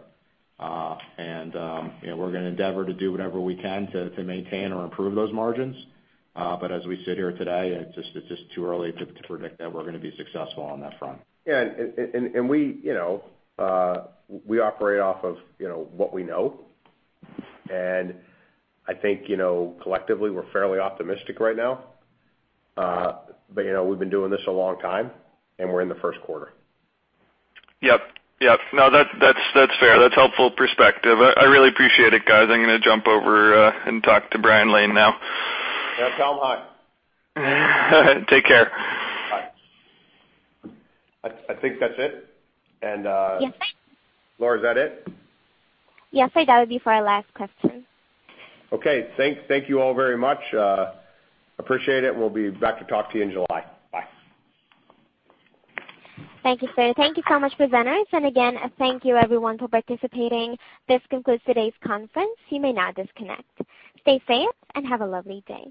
We're going to endeavor to do whatever we can to maintain or improve those margins. As we sit here today, it's just too early to predict that we're going to be successful on that front. Yeah. We operate off of what we know. I think collectively, we're fairly optimistic right now. We've been doing this a long time, and we're in the first quarter. Yep. No, that's fair. That's helpful perspective. I really appreciate it, guys. I'm going to jump over and talk to Brent Lane now. Yeah, tell him hi. Take care. Bye. I think that's it. Yes. Lara, is that it? Yes, I think that would be for our last question. Okay, thank you all very much. Appreciate it. We'll be back to talk to you in July. Bye. Thank you, sir. Thank you so much, presenters. Again, thank you everyone for participating. This concludes today's conference. You may now disconnect. Stay safe and have a lovely day.